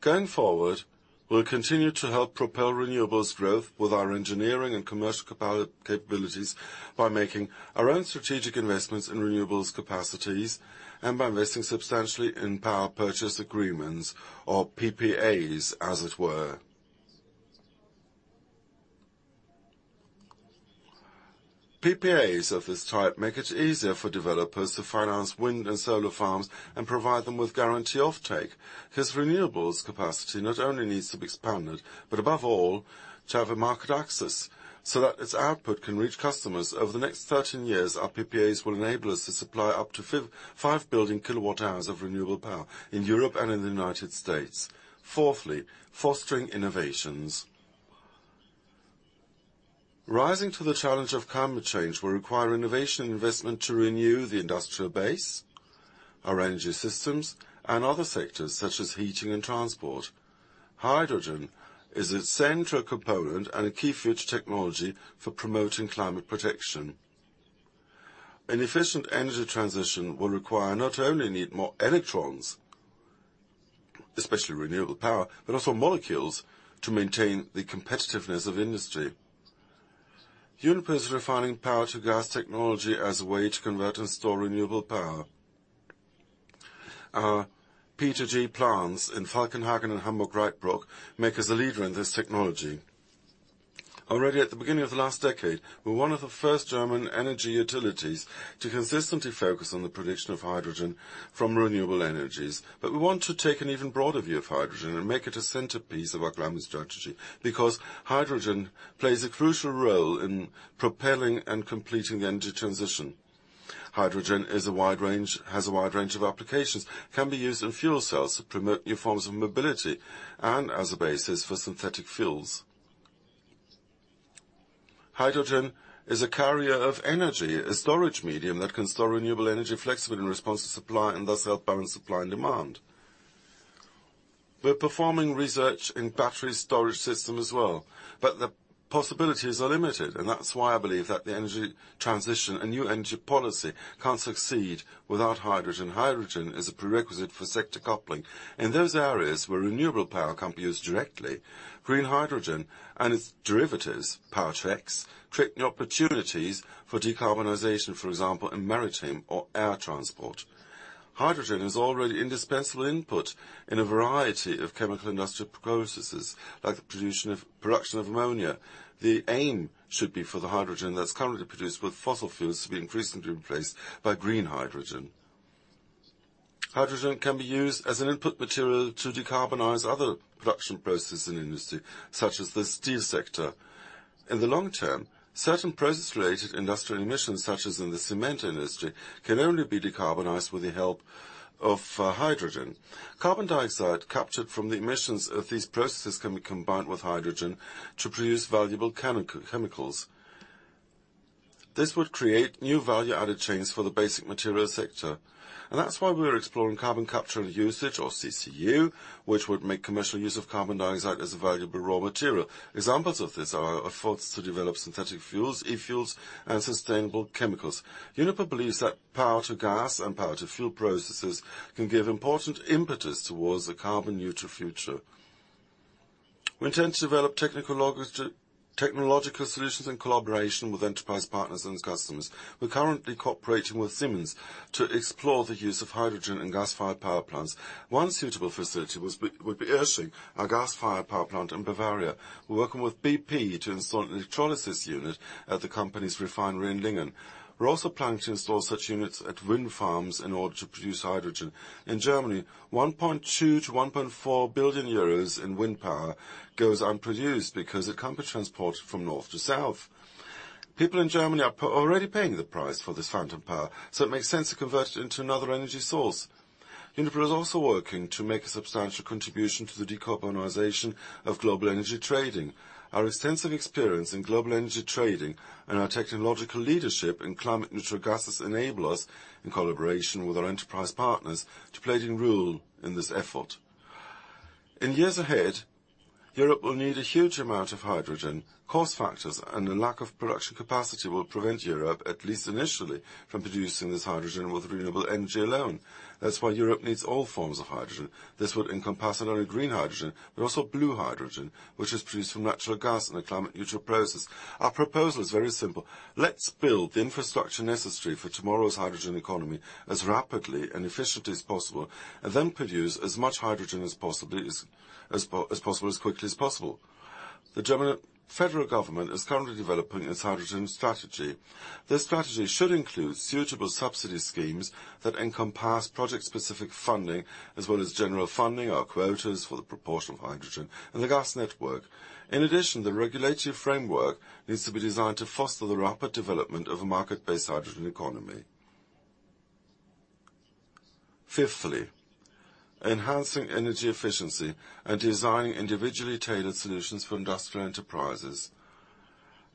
Going forward, we'll continue to help propel renewables growth with our engineering and commercial capabilities by making our own strategic investments in renewables capacities and by investing substantially in Power Purchase Agreements or PPAs, as it were. PPAs of this type make it easier for developers to finance wind and solar farms and provide them with guaranteed offtake, because renewables capacity not only needs to be expanded, but above all, to have a market access so that its output can reach customers. Over the next 13 years, our PPAs will enable us to supply up to 5 billion kilowatt hours of renewable power in Europe and in the United States. Fourthly, fostering innovations. Rising to the challenge of climate change will require innovation investment to renew the industrial base, our energy systems, and other sectors such as heating and transport. Hydrogen is a central component and a key future technology for promoting climate protection. An efficient energy transition will require not only need more electrons, especially renewable power, but also molecules to maintain the competitiveness of industry. Uniper is refining power-to-gas technology as a way to convert and store renewable power. Our P2G plants in Falkenhagen and Hamburg-Reitbrook make us a leader in this technology. Already at the beginning of the last decade, we were one of the first German energy utilities to consistently focus on the production of hydrogen from renewable energies. We want to take an even broader view of hydrogen and make it a centerpiece of our climate strategy, because hydrogen plays a crucial role in propelling and completing the energy transition. Hydrogen has a wide range of applications, can be used in fuel cells to promote new forms of mobility, and as a basis for synthetic fuels. Hydrogen is a carrier of energy, a storage medium that can store renewable energy flexibly in response to supply and thus help balance supply and demand. We're performing research in battery storage system as well, but the possibilities are limited, and that's why I believe that the energy transition and new energy policy can't succeed without hydrogen. Hydrogen is a prerequisite for sector coupling. In those areas where renewable power can't be used directly, green hydrogen and its derivatives, Power-to-X, create new opportunities for decarbonization, for example, in maritime or air transport. Hydrogen is already an indispensable input in a variety of chemical industrial processes, like the production of ammonia. The aim should be for the hydrogen that's currently produced with fossil fuels to be increasingly replaced by green hydrogen. Hydrogen can be used as an input material to decarbonize other production processes in industry, such as the steel sector. In the long term, certain process-related industrial emissions, such as in the cement industry, can only be decarbonized with the help of hydrogen. Carbon dioxide captured from the emissions of these processes can be combined with hydrogen to produce valuable chemicals. This would create new value added chains for the basic material sector. That's why we're exploring carbon capture and usage or CCU, which would make commercial use of carbon dioxide as a valuable raw material. Examples of this are efforts to develop synthetic fuels, e-fuels, and sustainable chemicals. Uniper believes that power-to-gas and power-to-fuel processes can give important impetus towards a carbon-neutral future. We intend to develop technological solutions in collaboration with enterprise partners and customers. We're currently cooperating with Siemens to explore the use of hydrogen in gas-fired power plants. One suitable facility would be Irsching, our gas-fired power plant in Bavaria. We're working with BP to install an electrolysis unit at the company's refinery in Lingen. We're also planning to install such units at wind farms in order to produce hydrogen. In Germany, 1.2 billion-1.4 billion euros in wind power goes unproduced because it can't be transported from north to south. People in Germany are already paying the price for this phantom power. It makes sense to convert it into another energy source. Uniper is also working to make a substantial contribution to the decarbonization of global energy trading. Our extensive experience in global energy trading and our technological leadership in climate neutral gases enable us, in collaboration with our enterprise partners, to play leading role in this effort. In years ahead, Europe will need a huge amount of hydrogen. Cost factors and a lack of production capacity will prevent Europe, at least initially, from producing this hydrogen with renewable energy alone. That's why Europe needs all forms of hydrogen. This would encompass not only green hydrogen, but also blue hydrogen, which is produced from natural gas in a climate neutral process. Our proposal is very simple. Let's build the infrastructure necessary for tomorrow's hydrogen economy as rapidly and efficiently as possible, and then produce as much hydrogen as possible, as quickly as possible. The German Federal Government is currently developing its Hydrogen Strategy. This strategy should include suitable subsidy schemes that encompass project-specific funding, as well as general funding or quotas for the proportion of hydrogen in the gas network. In addition, the regulatory framework needs to be designed to foster the rapid development of a market-based hydrogen economy. Fifthly, enhancing energy efficiency and designing individually tailored solutions for industrial enterprises.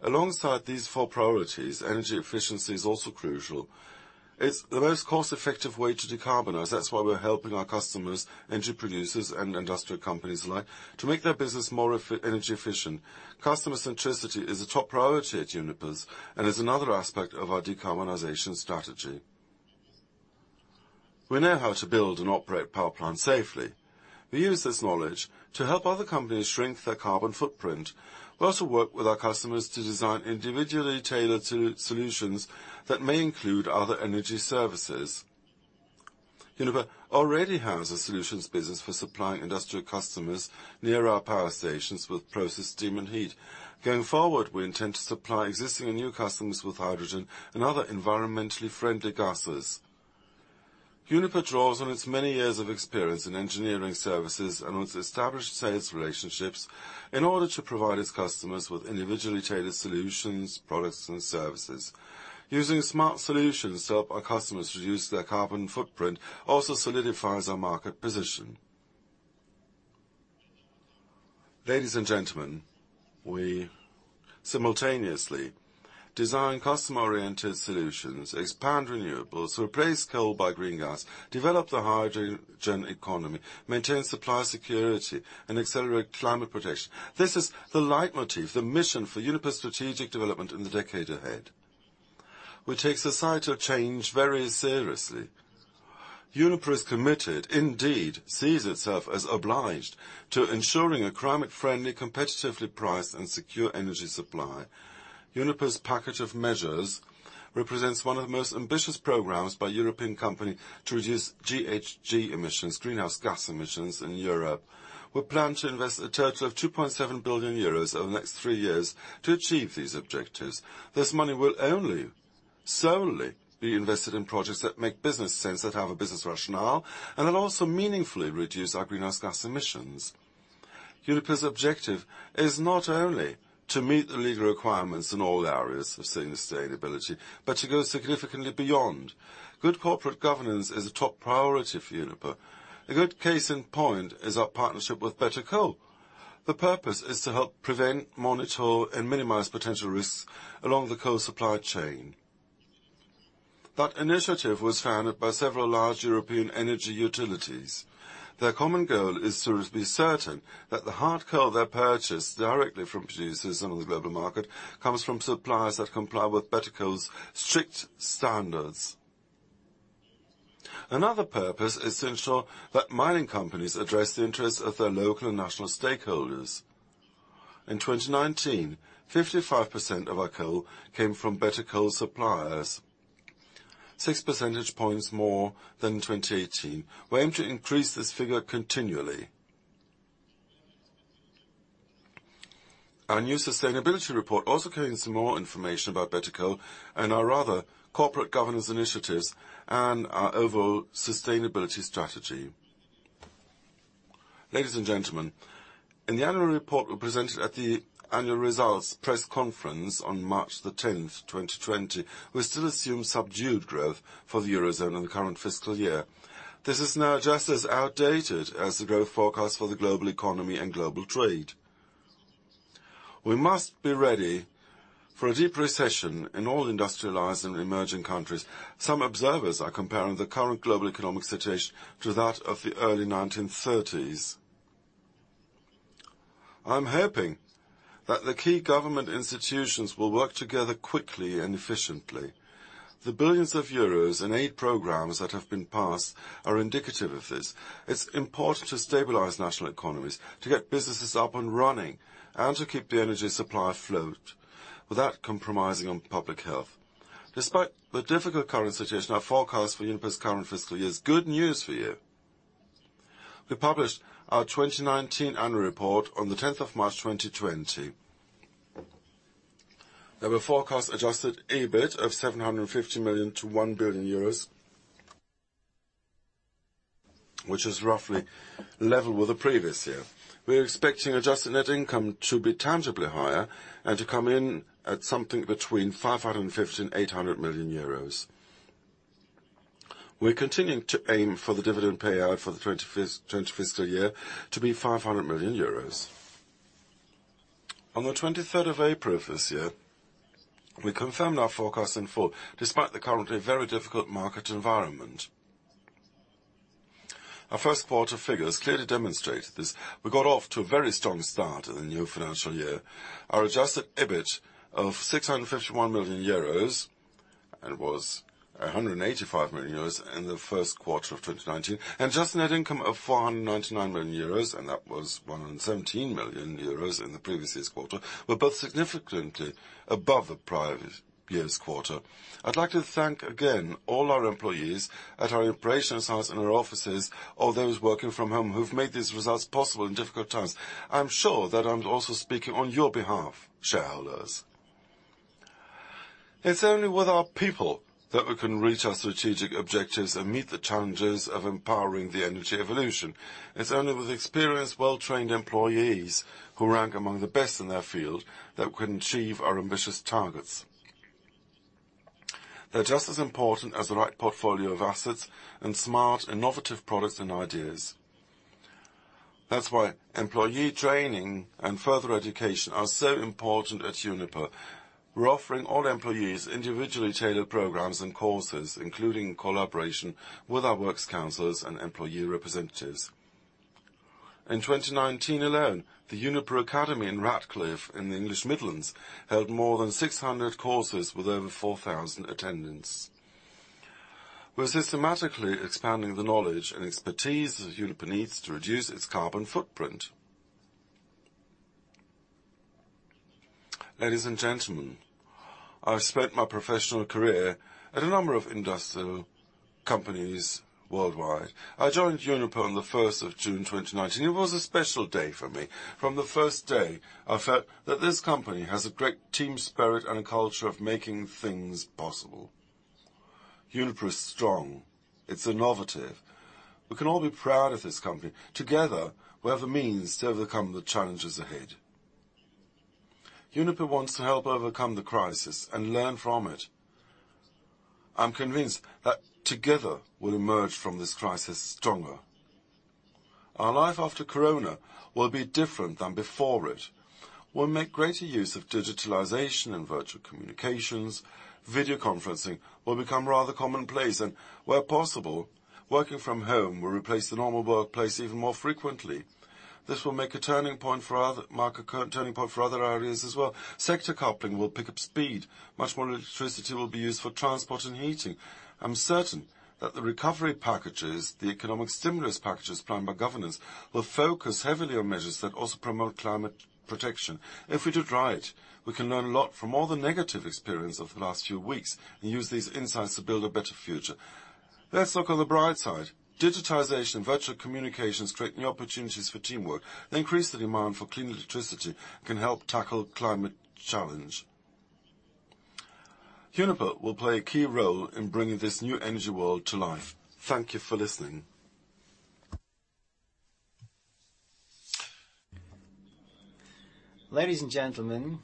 Alongside these four priorities, energy efficiency is also crucial. It's the most cost-effective way to decarbonize. That's why we're helping our customers, energy producers and industrial companies alike, to make their business more energy efficient. Customer centricity is a top priority at Uniper and is another aspect of our decarbonization strategy. We know how to build and operate power plants safely. We use this knowledge to help other companies shrink their carbon footprint. We also work with our customers to design individually tailored solutions that may include other energy services. Uniper already has a solutions business for supplying industrial customers near our power stations with process steam and heat. Going forward, we intend to supply existing and new customers with hydrogen and other environmentally friendly gases. Uniper draws on its many years of experience in engineering services and its established sales relationships, in order to provide its customers with individually tailored solutions, products and services. Using smart solutions to help our customers reduce their carbon footprint also solidifies our market position. Ladies and gentlemen, we simultaneously design customer-oriented solutions, expand renewables, replace coal by green gas, develop the hydrogen economy, maintain supply security, and accelerate climate protection. This is the leitmotif, the mission for Uniper's strategic development in the decade ahead. We take societal change very seriously. Uniper is committed, indeed, sees itself as obliged to ensuring a climate-friendly, competitively priced and secure energy supply. Uniper's package of measures represents one of the most ambitious programs by a European company to reduce GHG emissions, greenhouse gas emissions, in Europe. We plan to invest a total of 2.7 billion euros over the next three years to achieve these objectives. This money will only solely be invested in projects that make business sense, that have a business rationale, and that also meaningfully reduce our greenhouse gas emissions. Uniper's objective is not only to meet the legal requirements in all areas of sustainability, but to go significantly beyond. Good corporate governance is a top priority for Uniper. A good case in point is our partnership with Bettercoal. The purpose is to help prevent, monitor and minimize potential risks along the coal supply chain. That initiative was founded by several large European energy utilities. Their common goal is to be certain that the hard coal they purchased directly from producers on the global market, comes from suppliers that comply with Bettercoal's strict standards. Another purpose is to ensure that mining companies address the interests of their local and national stakeholders. In 2019, 55% of our coal came from Bettercoal suppliers, six percentage points more than in 2018. We aim to increase this figure continually. Our new sustainability report also contains some more information about Bettercoal and our other corporate governance initiatives and our overall sustainability strategy. Ladies and gentlemen, in the annual report we presented at the annual results press conference on March the 10th, 2020, we still assume subdued growth for the Eurozone in the current fiscal year. This is now just as outdated as the growth forecast for the global economy and global trade. We must be ready for a deep recession in all industrialized and emerging countries. Some observers are comparing the current global economic situation to that of the early 1930s. I'm hoping that the key government institutions will work together quickly and efficiently. The billions of euros in aid programs that have been passed are indicative of this. It's important to stabilize national economies, to get businesses up and running, and to keep the energy supply afloat without compromising on public health. Despite the difficult current situation, our forecast for Uniper's current fiscal year is good news for you. We published our 2019 annual report on the 10th of March 2020. There were forecast-adjusted EBIT of EUR 750 million-EUR 1 billion, which is roughly level with the previous year. We're expecting adjusted net income to be tangibly higher and to come in at something between 550 million and 800 million euros. We're continuing to aim for the dividend payout for the 2020 fiscal year to be 500 million euros. On the 23rd of April of this year, we confirmed our forecast in full, despite the currently very difficult market environment. Our first quarter figures clearly demonstrate this. We got off to a very strong start in the new financial year. Our adjusted EBIT of 651 million euros, and it was 185 million euros in the first quarter of 2019. Adjusted net income of 499 million euros, and that was 117 million euros in the previous year's quarter, were both significantly above the prior year's quarter. I'd like to thank again all our employees at our operational sites and our offices, all those working from home who've made these results possible in difficult times. I'm sure that I'm also speaking on your behalf, shareholders. It's only with our people that we can reach our strategic objectives and meet the challenges of empowering the energy evolution. It's only with experienced, well-trained employees, who rank among the best in their field, that we can achieve our ambitious targets. They're just as important as the right portfolio of assets and smart, innovative products and ideas. That's why employee training and further education are so important at Uniper. We're offering all employees individually tailored programs and courses, including collaboration with our works councilors and employee representatives. In 2019 alone, the Uniper Academy in Ratcliffe in the English Midlands, held more than 600 courses with over 4,000 attendants. We're systematically expanding the knowledge and expertise that Uniper needs to reduce its carbon footprint. Ladies and gentlemen, I've spent my professional career at a number of industrial companies worldwide. I joined Uniper on the 1st of June 2019. It was a special day for me. From the first day, I felt that this company has a great team spirit and a culture of making things possible. Uniper is strong. It's innovative. We can all be proud of this company. Together, we have the means to overcome the challenges ahead. Uniper wants to help overcome the crisis and learn from it. I'm convinced that together we'll emerge from this crisis stronger. Our life after COVID-19 will be different than before it. We'll make greater use of digitalization and virtual communications. Video conferencing will become rather commonplace. Where possible, working from home will replace the normal workplace even more frequently. This will mark a turning point for other areas as well. Sector coupling will pick up speed. Much more electricity will be used for transport and heating. I'm certain that the recovery packages, the economic stimulus packages planned by governors, will focus heavily on measures that also promote climate protection. If we do it right, we can learn a lot from all the negative experience of the last few weeks and use these insights to build a better future. Let's look on the bright side. Digitalization and virtual communications create new opportunities for teamwork. They increase the demand for clean electricity and can help tackle climate challenge. Uniper will play a key role in bringing this new energy world to life. Thank you for listening. Ladies and gentlemen,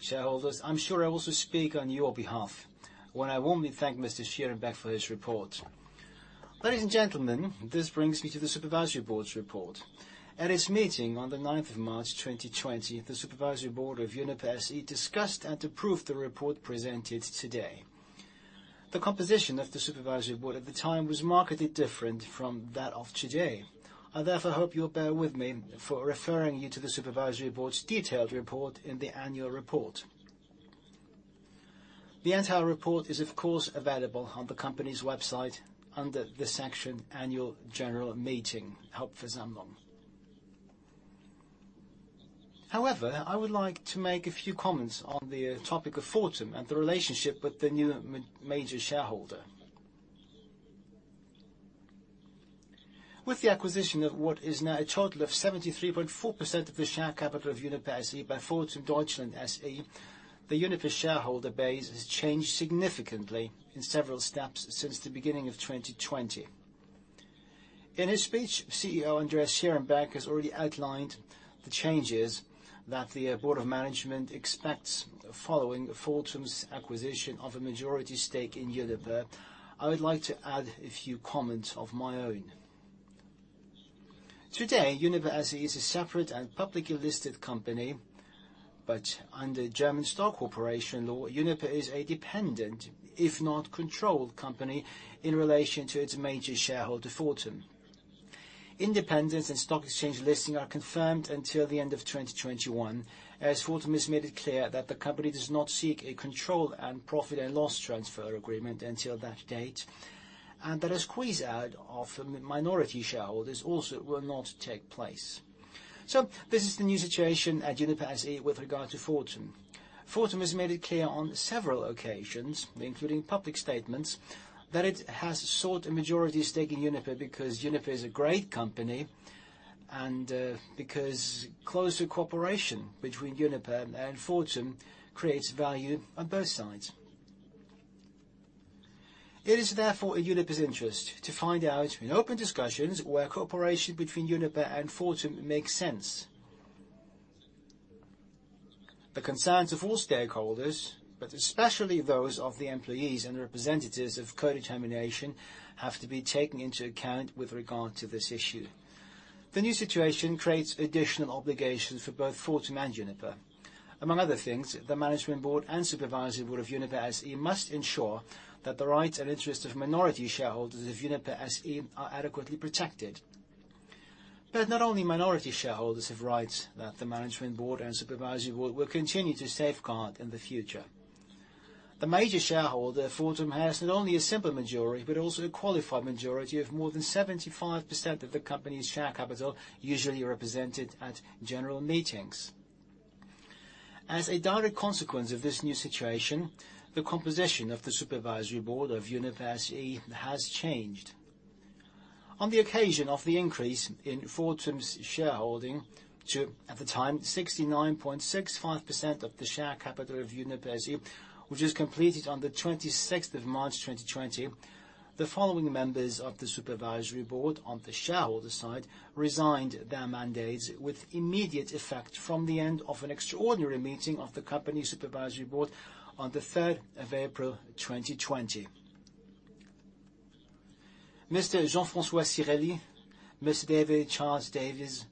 shareholders, I'm sure I also speak on your behalf when I warmly thank Mr. Schierenbeck for his report. Ladies and gentlemen, this brings me to the supervisory board's report. At its meeting on the 9th of March 2020, the supervisory board of Uniper SE discussed and approved the report presented today. The composition of the supervisory board at the time was markedly different from that of today. I therefore hope you'll bear with me for referring you to the supervisory board's detailed report in the annual report. The entire report is, of course, available on the company's website under the section Annual General Meeting, Hauptversammlung. I would like to make a few comments on the topic of Fortum and the relationship with the new major shareholder. With the acquisition of what is now a total of 73.4% of the share capital of Uniper SE by Fortum Deutschland SE, the Uniper shareholder base has changed significantly in several steps since the beginning of 2020. In his speech, CEO Andreas Schierenbeck has already outlined the changes that the board of management expects following Fortum's acquisition of a majority stake in Uniper. I would like to add a few comments of my own. Today, Uniper SE is a separate and publicly listed company, but under German stock corporation law, Uniper is a dependent, if not controlled, company in relation to its major shareholder, Fortum. Independence and stock exchange listing are confirmed until the end of 2021, as Fortum has made it clear that the company does not seek a control and profit and loss transfer agreement until that date, and that a squeeze-out of minority shareholders also will not take place. This is the new situation at Uniper SE with regard to Fortum. Fortum has made it clear on several occasions, including public statements, that it has sought a majority stake in Uniper because Uniper is a great company and because closer cooperation between Uniper and Fortum creates value on both sides. It is therefore in Uniper's interest to find out in open discussions where cooperation between Uniper and Fortum makes sense. The concerns of all stakeholders, but especially those of the employees and representatives of co-determination, have to be taken into account with regard to this issue. The new situation creates additional obligations for both Fortum and Uniper. Among other things, the management board and supervisory board of Uniper SE must ensure that the rights and interests of minority shareholders of Uniper SE are adequately protected. Not only minority shareholders have rights that the management board and supervisory board will continue to safeguard in the future. The major shareholder, Fortum, has not only a simple majority, but also a qualified majority of more than 75% of the company's share capital, usually represented at general meetings. As a direct consequence of this new situation, the composition of the supervisory board of Uniper SE has changed. On the occasion of the increase in Fortum's shareholding to, at the time, 69.65% of the share capital of Uniper SE, which was completed on the 26th of March 2020, the following members of the supervisory board on the shareholder side resigned their mandates with immediate effect from the end of an extraordinary meeting of the company supervisory board on the 3rd of April 2020. Mr. Jean-Francois Cirelli, Mr. David Charles Davies,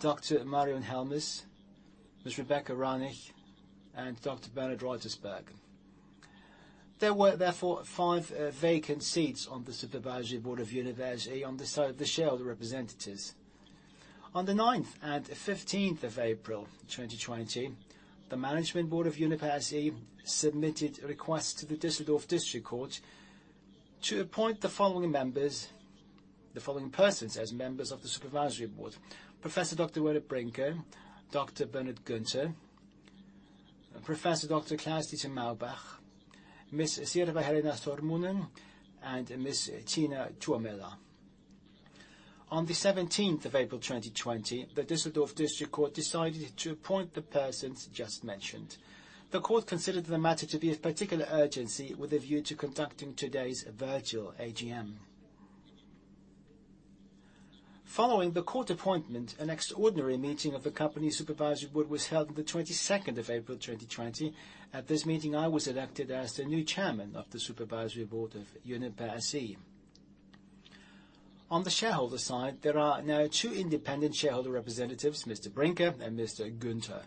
Dr. Marion Helmes, Ms. Rebecca Ranich, and Dr. Bernhard Reutersberg. There were therefore five vacant seats on the supervisory board of Uniper SE on the side of the shareholder representatives. On the ninth and 15th of April 2020, the management board of Uniper SE submitted a request to the Düsseldorf District Court to appoint the following persons as members of the supervisory board. Professor Dr. Werner Brinker, Bernhard Günther, Professor Dr. Klaus-Dieter Maubach, Ms. Sirpa-Helena Sormunen, and Ms. Tiina Tuomela. On the 17th of April 2020, the Düsseldorf District Court decided to appoint the persons just mentioned. The court considered the matter to be of particular urgency with a view to conducting today's virtual AGM. Following the court appointment, an extraordinary meeting of the company Supervisory Board was held on the 22nd of April 2020. At this meeting, I was elected as the new Chairman of the Supervisory Board of Uniper SE. On the shareholder side, there are now two independent shareholder representatives, Mr. Brinker and Mr. Günther.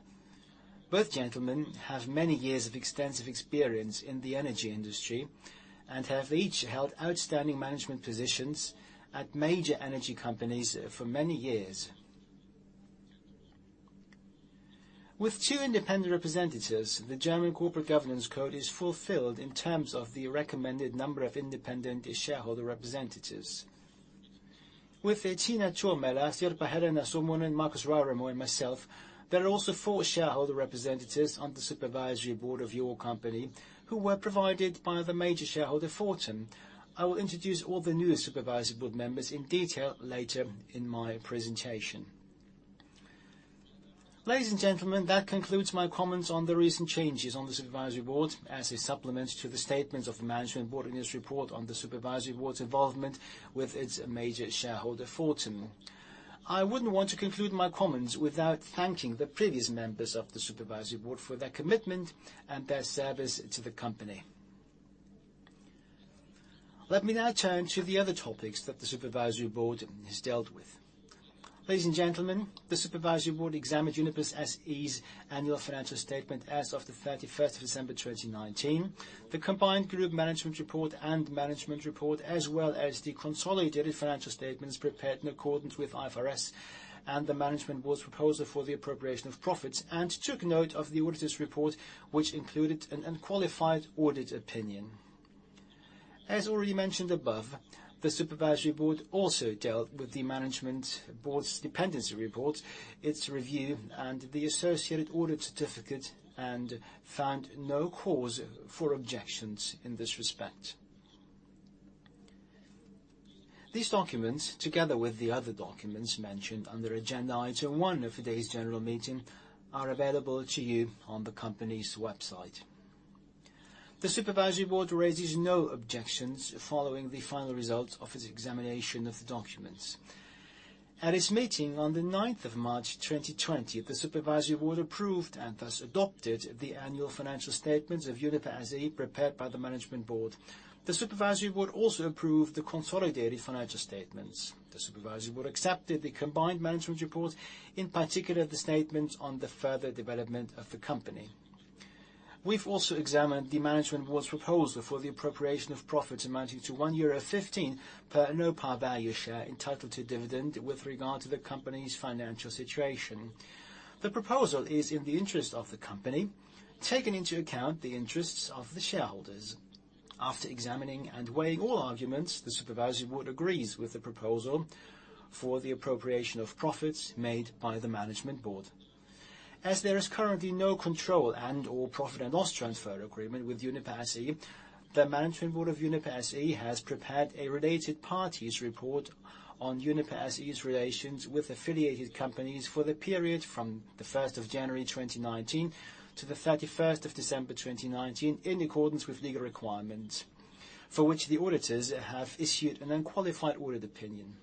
Both gentlemen have many years of extensive experience in the energy industry and have each held outstanding management positions at major energy companies for many years. With two independent representatives, the German Corporate Governance Code is fulfilled in terms of the recommended number of independent shareholder representatives. With Tiina Tuomela, Sirpa-Helena Sormunen, Markus Rauramo, and myself, there are also four shareholder representatives on the supervisory board of your company who were provided by the major shareholder, Fortum. I will introduce all the new supervisory board members in detail later in my presentation. Ladies and gentlemen, that concludes my comments on the recent changes on the supervisory board as a supplement to the statements of the management board in its report on the supervisory board's involvement with its major shareholder, Fortum. I wouldn't want to conclude my comments without thanking the previous members of the supervisory board for their commitment and their service to the company. Let me now turn to the other topics that the supervisory board has dealt with. Ladies and gentlemen, the supervisory board examined Uniper SE's annual financial statement as of the 31st of December 2019. The combined group management report and management report, as well as the consolidated financial statements prepared in accordance with IFRS and the management board's proposal for the appropriation of profits, and took note of the auditor's report, which included an unqualified audit opinion. As already mentioned above, the supervisory board also dealt with the management board's dependency report, its review, and the associated audit certificate, and found no cause for objections in this respect. These documents, together with the other documents mentioned under agenda item one of today's general meeting, are available to you on the company's website. The supervisory board raises no objections following the final results of its examination of the documents. At its meeting on the 9th of March 2020, the supervisory board approved and thus adopted the annual financial statements of Uniper SE prepared by the management board. The supervisory board also approved the consolidated financial statements. The supervisory board accepted the combined management report, in particular, the statements on the further development of the company. We've also examined the management board's proposal for the appropriation of profits amounting to 1.15 euro per no-par value share entitled to dividend with regard to the company's financial situation. The proposal is in the interest of the company, taking into account the interests of the shareholders. After examining and weighing all arguments, the supervisory board agrees with the proposal for the appropriation of profits made by the management board. As there is currently no control and/or profit and loss transfer agreement with Uniper SE, the management board of Uniper SE has prepared a related parties report on Uniper SE's relations with affiliated companies for the period from the 1st of January 2019 to the 31st of December 2019, in accordance with legal requirements, for which the auditors have issued an unqualified audit opinion.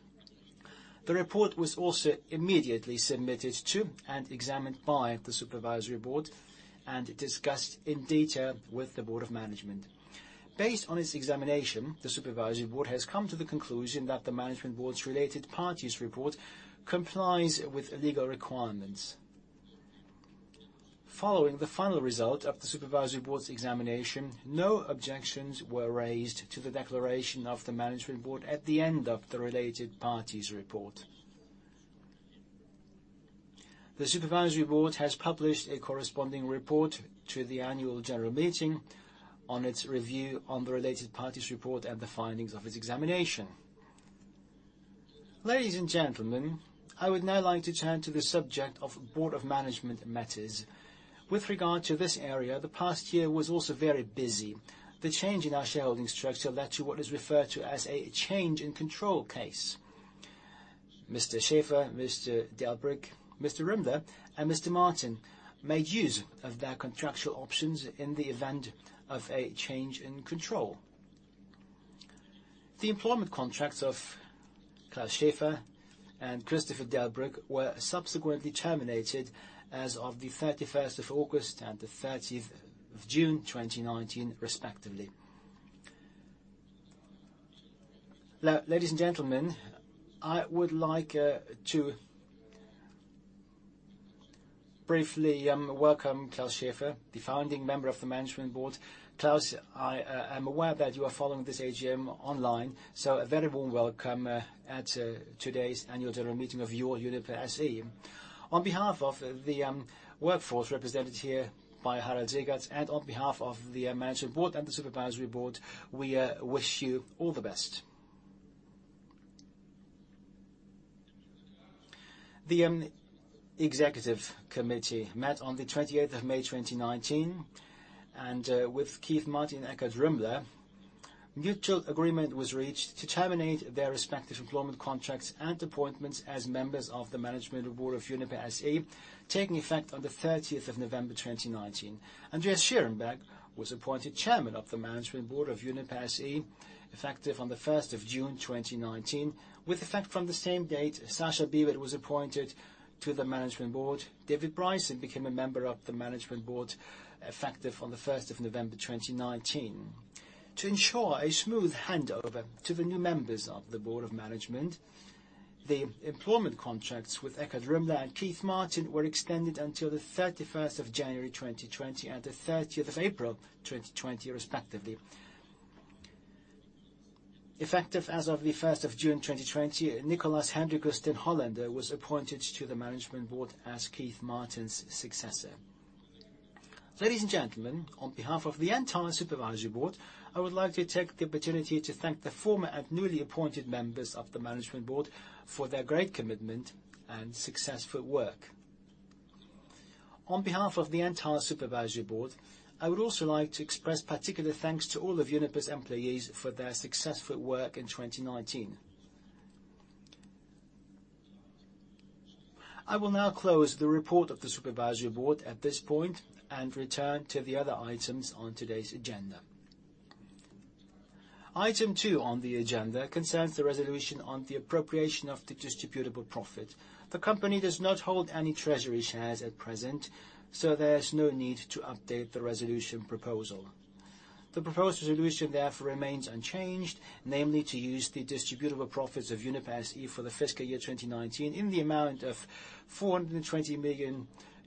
The report was also immediately submitted to and examined by the supervisory board, and discussed in detail with the board of management. Based on its examination, the supervisory board has come to the conclusion that the management board's related parties report complies with legal requirements. Following the final result of the supervisory board's examination, no objections were raised to the declaration of the management board at the end of the related parties report. The supervisory board has published a corresponding report to the Annual General Meeting on its review on the related parties report and the findings of its examination. Ladies and gentlemen, I would now like to turn to the subject of board of management matters. With regard to this area, the past year was also very busy. The change in our shareholding structure led to what is referred to as a change in control case. Mr. Schäfer, Mr. Delbrück, Mr. Rümmler, and Mr. Martin made use of their contractual options in the event of a change in control. The employment contracts of Klaus Schäfer and Christopher Delbrück were subsequently terminated as of the 31st of August and the 30th of June 2019, respectively. Now, ladies and gentlemen, I would like to briefly welcome Klaus Schäfer, the founding member of the management board. Klaus, I am aware that you are following this AGM online. A very warm welcome at today's annual general meeting of your Uniper SE. On behalf of the workforce represented here by Harald Seegert, on behalf of the management board and the supervisory board, we wish you all the best. The executive committee met on the 28th of May 2019. With Keith Martin, Eckhardt Rümmler, mutual agreement was reached to terminate their respective employment contracts and appointments as members of the management board of Uniper SE, taking effect on the 30th of November 2019. Andreas Schierenbeck was appointed chairman of the management board of Uniper SE, effective on the 1st of June 2019. With effect from the same date, Sascha Bibert was appointed to the management board. David Bryson became a member of the management board effective on the 1st of November 2019. To ensure a smooth handover to the new members of the board of management, the employment contracts with Eckhardt Rümmler and Keith Martin were extended until the 31st of January 2020 and the 30th of April 2020, respectively. Effective as of the 1st of June 2020, Niek den Hollander was appointed to the management board as Keith Martin's successor. Ladies and gentlemen, on behalf of the entire supervisory board, I would like to take the opportunity to thank the former and newly appointed members of the management board for their great commitment and successful work. On behalf of the entire supervisory board, I would also like to express particular thanks to all of Uniper's employees for their successful work in 2019. I will now close the report of the supervisory board at this point and return to the other items on today's agenda. Item two on the agenda concerns the resolution on the appropriation of the distributable profit. The company does not hold any treasury shares at present. There is no need to update the resolution proposal. The proposed resolution therefore remains unchanged, namely, to use the distributable profits of Uniper SE for the fiscal year 2019 in the amount of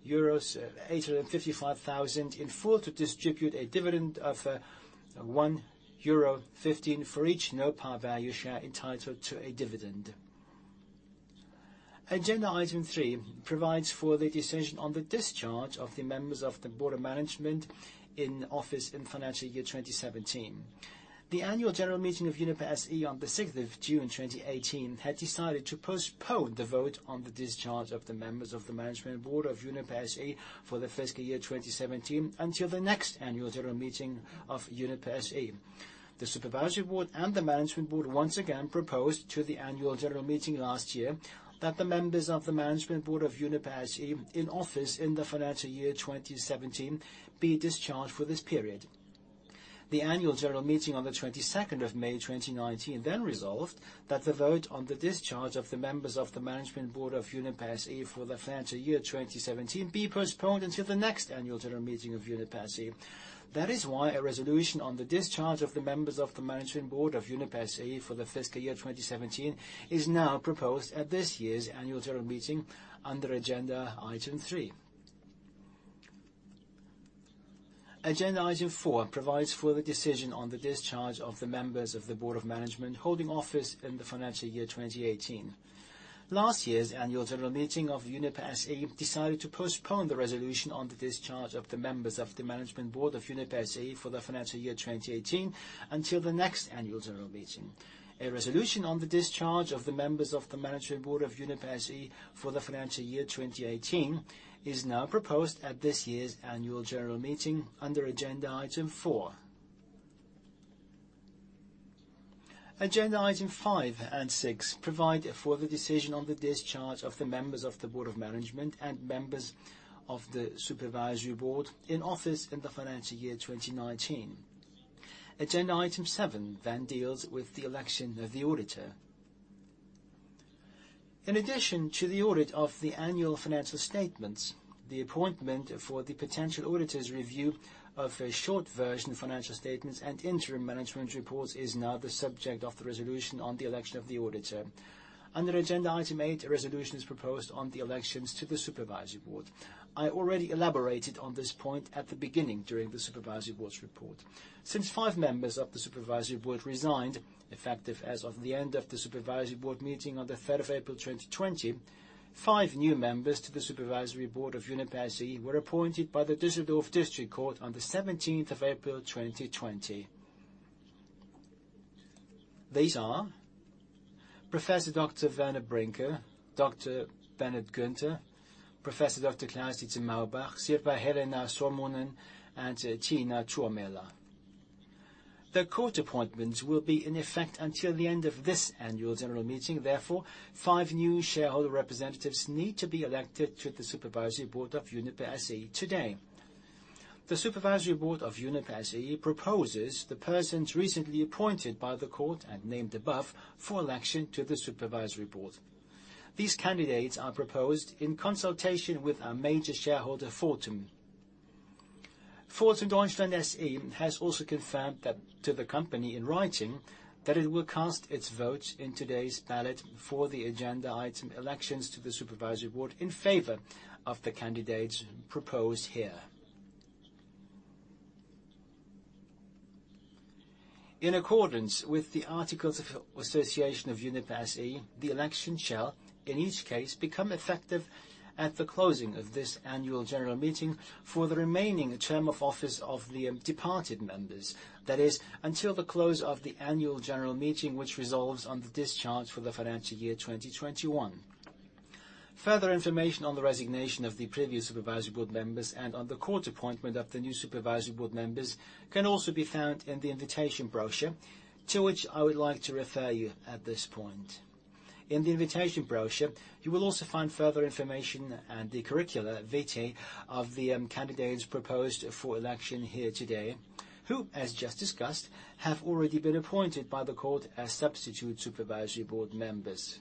420,855,000 euros in full to distribute a dividend of 1.15 euro for each no par value share entitled to a dividend. Agenda item three provides for the decision on the discharge of the members of the board of management in office in financial year 2017. The annual general meeting of Uniper SE on the 6th of June 2018 had decided to postpone the vote on the discharge of the members of the management board of Uniper SE for the fiscal year 2017 until the next annual general meeting of Uniper SE. The Supervisory Board and the Management Board once again proposed to the Annual General Meeting last year that the members of the Management Board of Uniper SE in office in the financial year 2017 be discharged for this period. The Annual General Meeting on the 22nd of May 2019 then resolved that the vote on the discharge of the members of the Management Board of Uniper SE for the financial year 2017 be postponed until the next Annual General Meeting of Uniper SE. That is why a resolution on the discharge of the members of the Management Board of Uniper SE for the fiscal year 2017 is now proposed at this year's Annual General Meeting under agenda item 3. Agenda item 4 provides for the decision on the discharge of the members of the Board of Management holding office in the financial year 2018. Last year's annual general meeting of Uniper SE decided to postpone the resolution on the discharge of the members of the Management Board of Uniper SE for the financial year 2018 until the next annual general meeting. A resolution on the discharge of the members of the Management Board of Uniper SE for the financial year 2018 is now proposed at this year's annual general meeting under agenda item four. Agenda item five and six provide for the decision on the discharge of the members of the Board of Management and members of the Supervisory Board in office in the financial year 2019. Agenda item seven deals with the election of the auditor. In addition to the audit of the annual financial statements, the appointment for the potential auditors' review of a short version financial statements and interim management reports is now the subject of the resolution on the election of the auditor. Under agenda item eight, a resolution is proposed on the elections to the Supervisory Board. I already elaborated on this point at the beginning during the Supervisory Board's report. Since five members of the Supervisory Board resigned, effective as of the end of the Supervisory Board meeting on the 3rd of April 2020, five new members to the Supervisory Board of Uniper SE were appointed by the Düsseldorf District Court on the 17th of April 2020. These are Professor Dr. Werner Brinker, Dr. Bernhard Günther, Professor Dr. Klaus-Dieter Maubach, Sirpa-Helena Sormunen, and Tiina Tuomela. The court appointments will be in effect until the end of this Annual General Meeting. Five new shareholder representatives need to be elected to the Supervisory Board of Uniper SE today. The Supervisory Board of Uniper SE proposes the persons recently appointed by the court and named above for election to the Supervisory Board. These candidates are proposed in consultation with our major shareholder, Fortum. Fortum Deutschland SE has also confirmed to the company in writing that it will cast its votes in today's ballot for the agenda item, elections to the Supervisory Board, in favor of the candidates proposed here. In accordance with the articles of association of Uniper SE, the election shall, in each case, become effective at the closing of this Annual General Meeting for the remaining term of office of the departed members. That is, until the close of the Annual General Meeting, which resolves on the discharge for the financial year 2021. Further information on the resignation of the previous Supervisory Board members and on the court appointment of the new Supervisory Board members can also be found in the invitation brochure, to which I would like to refer you at this point. In the invitation brochure, you will also find further information and the curricula vitae of the candidates proposed for election here today, who, as just discussed, have already been appointed by the court as substitute Supervisory Board members.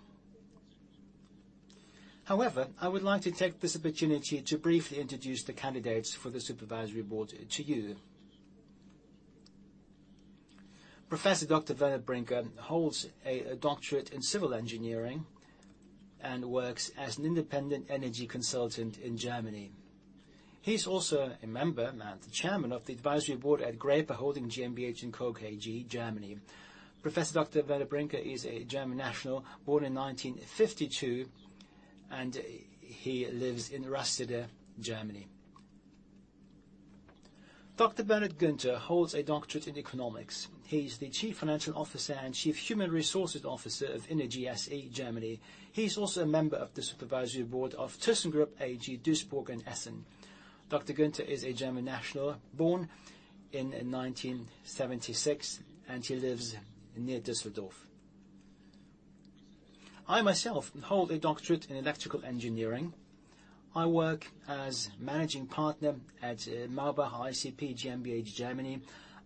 However, I would like to take this opportunity to briefly introduce the candidates for the Supervisory Board to you. Professor Dr. Werner Brinker holds a doctorate in civil engineering and works as an independent energy consultant in Germany. He's also a member and the Chairman of the Advisory Board at Graepel Holding GmbH & Co. KG, Germany. Professor Dr. Werner Brinker is a German national, born in 1952, and he lives in Rastede, Germany. Dr. Bernhard Günther holds a doctorate in economics. He's the Chief Financial Officer and Chief Human Resources Officer of innogy SE Germany. He's also a member of the Supervisory Board of ThyssenKrupp AG Duisburg and Essen. Dr. Günther is a German national, born in 1976, and he lives near Düsseldorf. I myself hold a doctorate in electrical engineering. I work as Managing Partner at maubach.icp GmbH, Germany.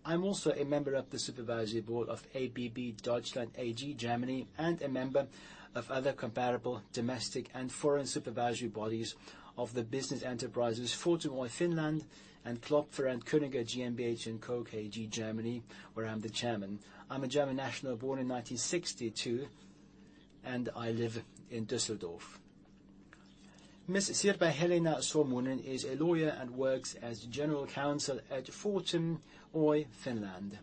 I'm also a member of the Supervisory Board of ABB Deutschland AG, Germany, and a member of other comparable domestic and foreign supervisory bodies of the business enterprises, Fortum Oyj, Finland, and Klöpfer & Königer GmbH & Co. KG, Germany, where I'm the Chairman. I am a German national, born in 1962, and I live in Düsseldorf. Ms. Sirpa-Helena Sormunen is a lawyer and works as general counsel at Fortum Oyj, Finland.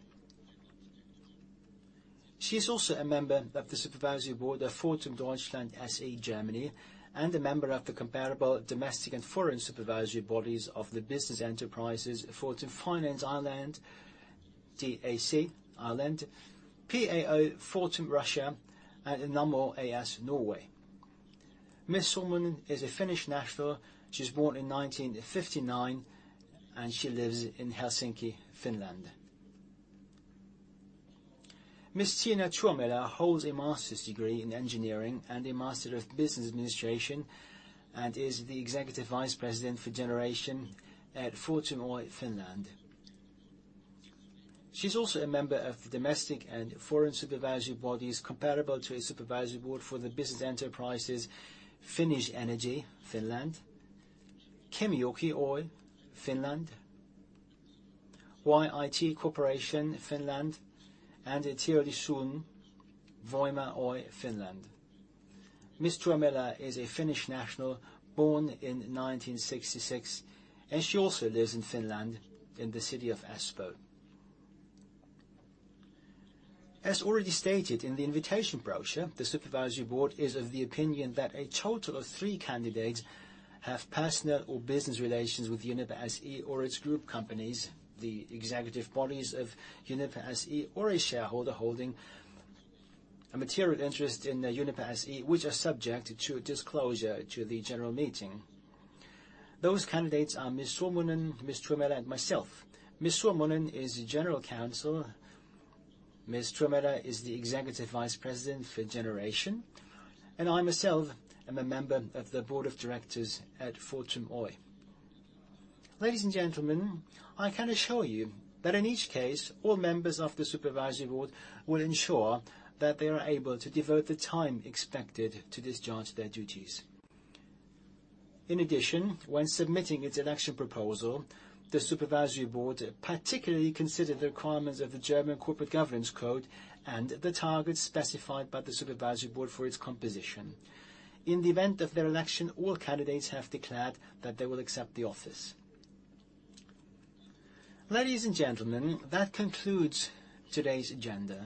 She is also a member of the Supervisory Board of Fortum Deutschland SE, Germany, and a member of the comparable domestic and foreign supervisory bodies of the business enterprises, Fortum Finance Ireland DAC, Ireland, PAO Fortum, Russia, and Nammo AS, Norway. Ms. Sormunen is a Finnish national. She was born in 1959, and she lives in Helsinki, Finland. Ms. Tiina Tuomela holds a master's degree in engineering and a Master of Business Administration and is the Executive Vice President for Generation at Fortum Oyj, Finland. She is also a member of the domestic and foreign supervisory bodies comparable to a supervisory board for the business enterprises, Finnish Energy, Finland, Kemijoki Oy, Finland, YIT Corporation, Finland, and Teollisuuden Voima Oyj, Finland. Ms. Tuomela is a Finnish national, born in 1966, and she also lives in Finland in the city of Espoo. As already stated in the invitation brochure, the Supervisory Board is of the opinion that a total of three candidates have personal or business relations with Uniper SE or its group companies, the executive bodies of Uniper SE, or a shareholder holding a material interest in Uniper SE, which are subject to disclosure to the general meeting. Those candidates are Ms. Sormunen, Ms. Tuomela, and myself. Ms. Sormunen is General Counsel, Ms. Tuomela is the Executive Vice President for Generation, and I myself am a member of the Board of Directors at Fortum Oyj. Ladies and gentlemen, I can assure you that in each case, all members of the Supervisory Board will ensure that they are able to devote the time expected to discharge their duties. In addition, when submitting its election proposal, the Supervisory Board particularly considered the requirements of the German Corporate Governance Code and the targets specified by the Supervisory Board for its composition. In the event of their election, all candidates have declared that they will accept the office. Ladies and gentlemen, that concludes today's agenda.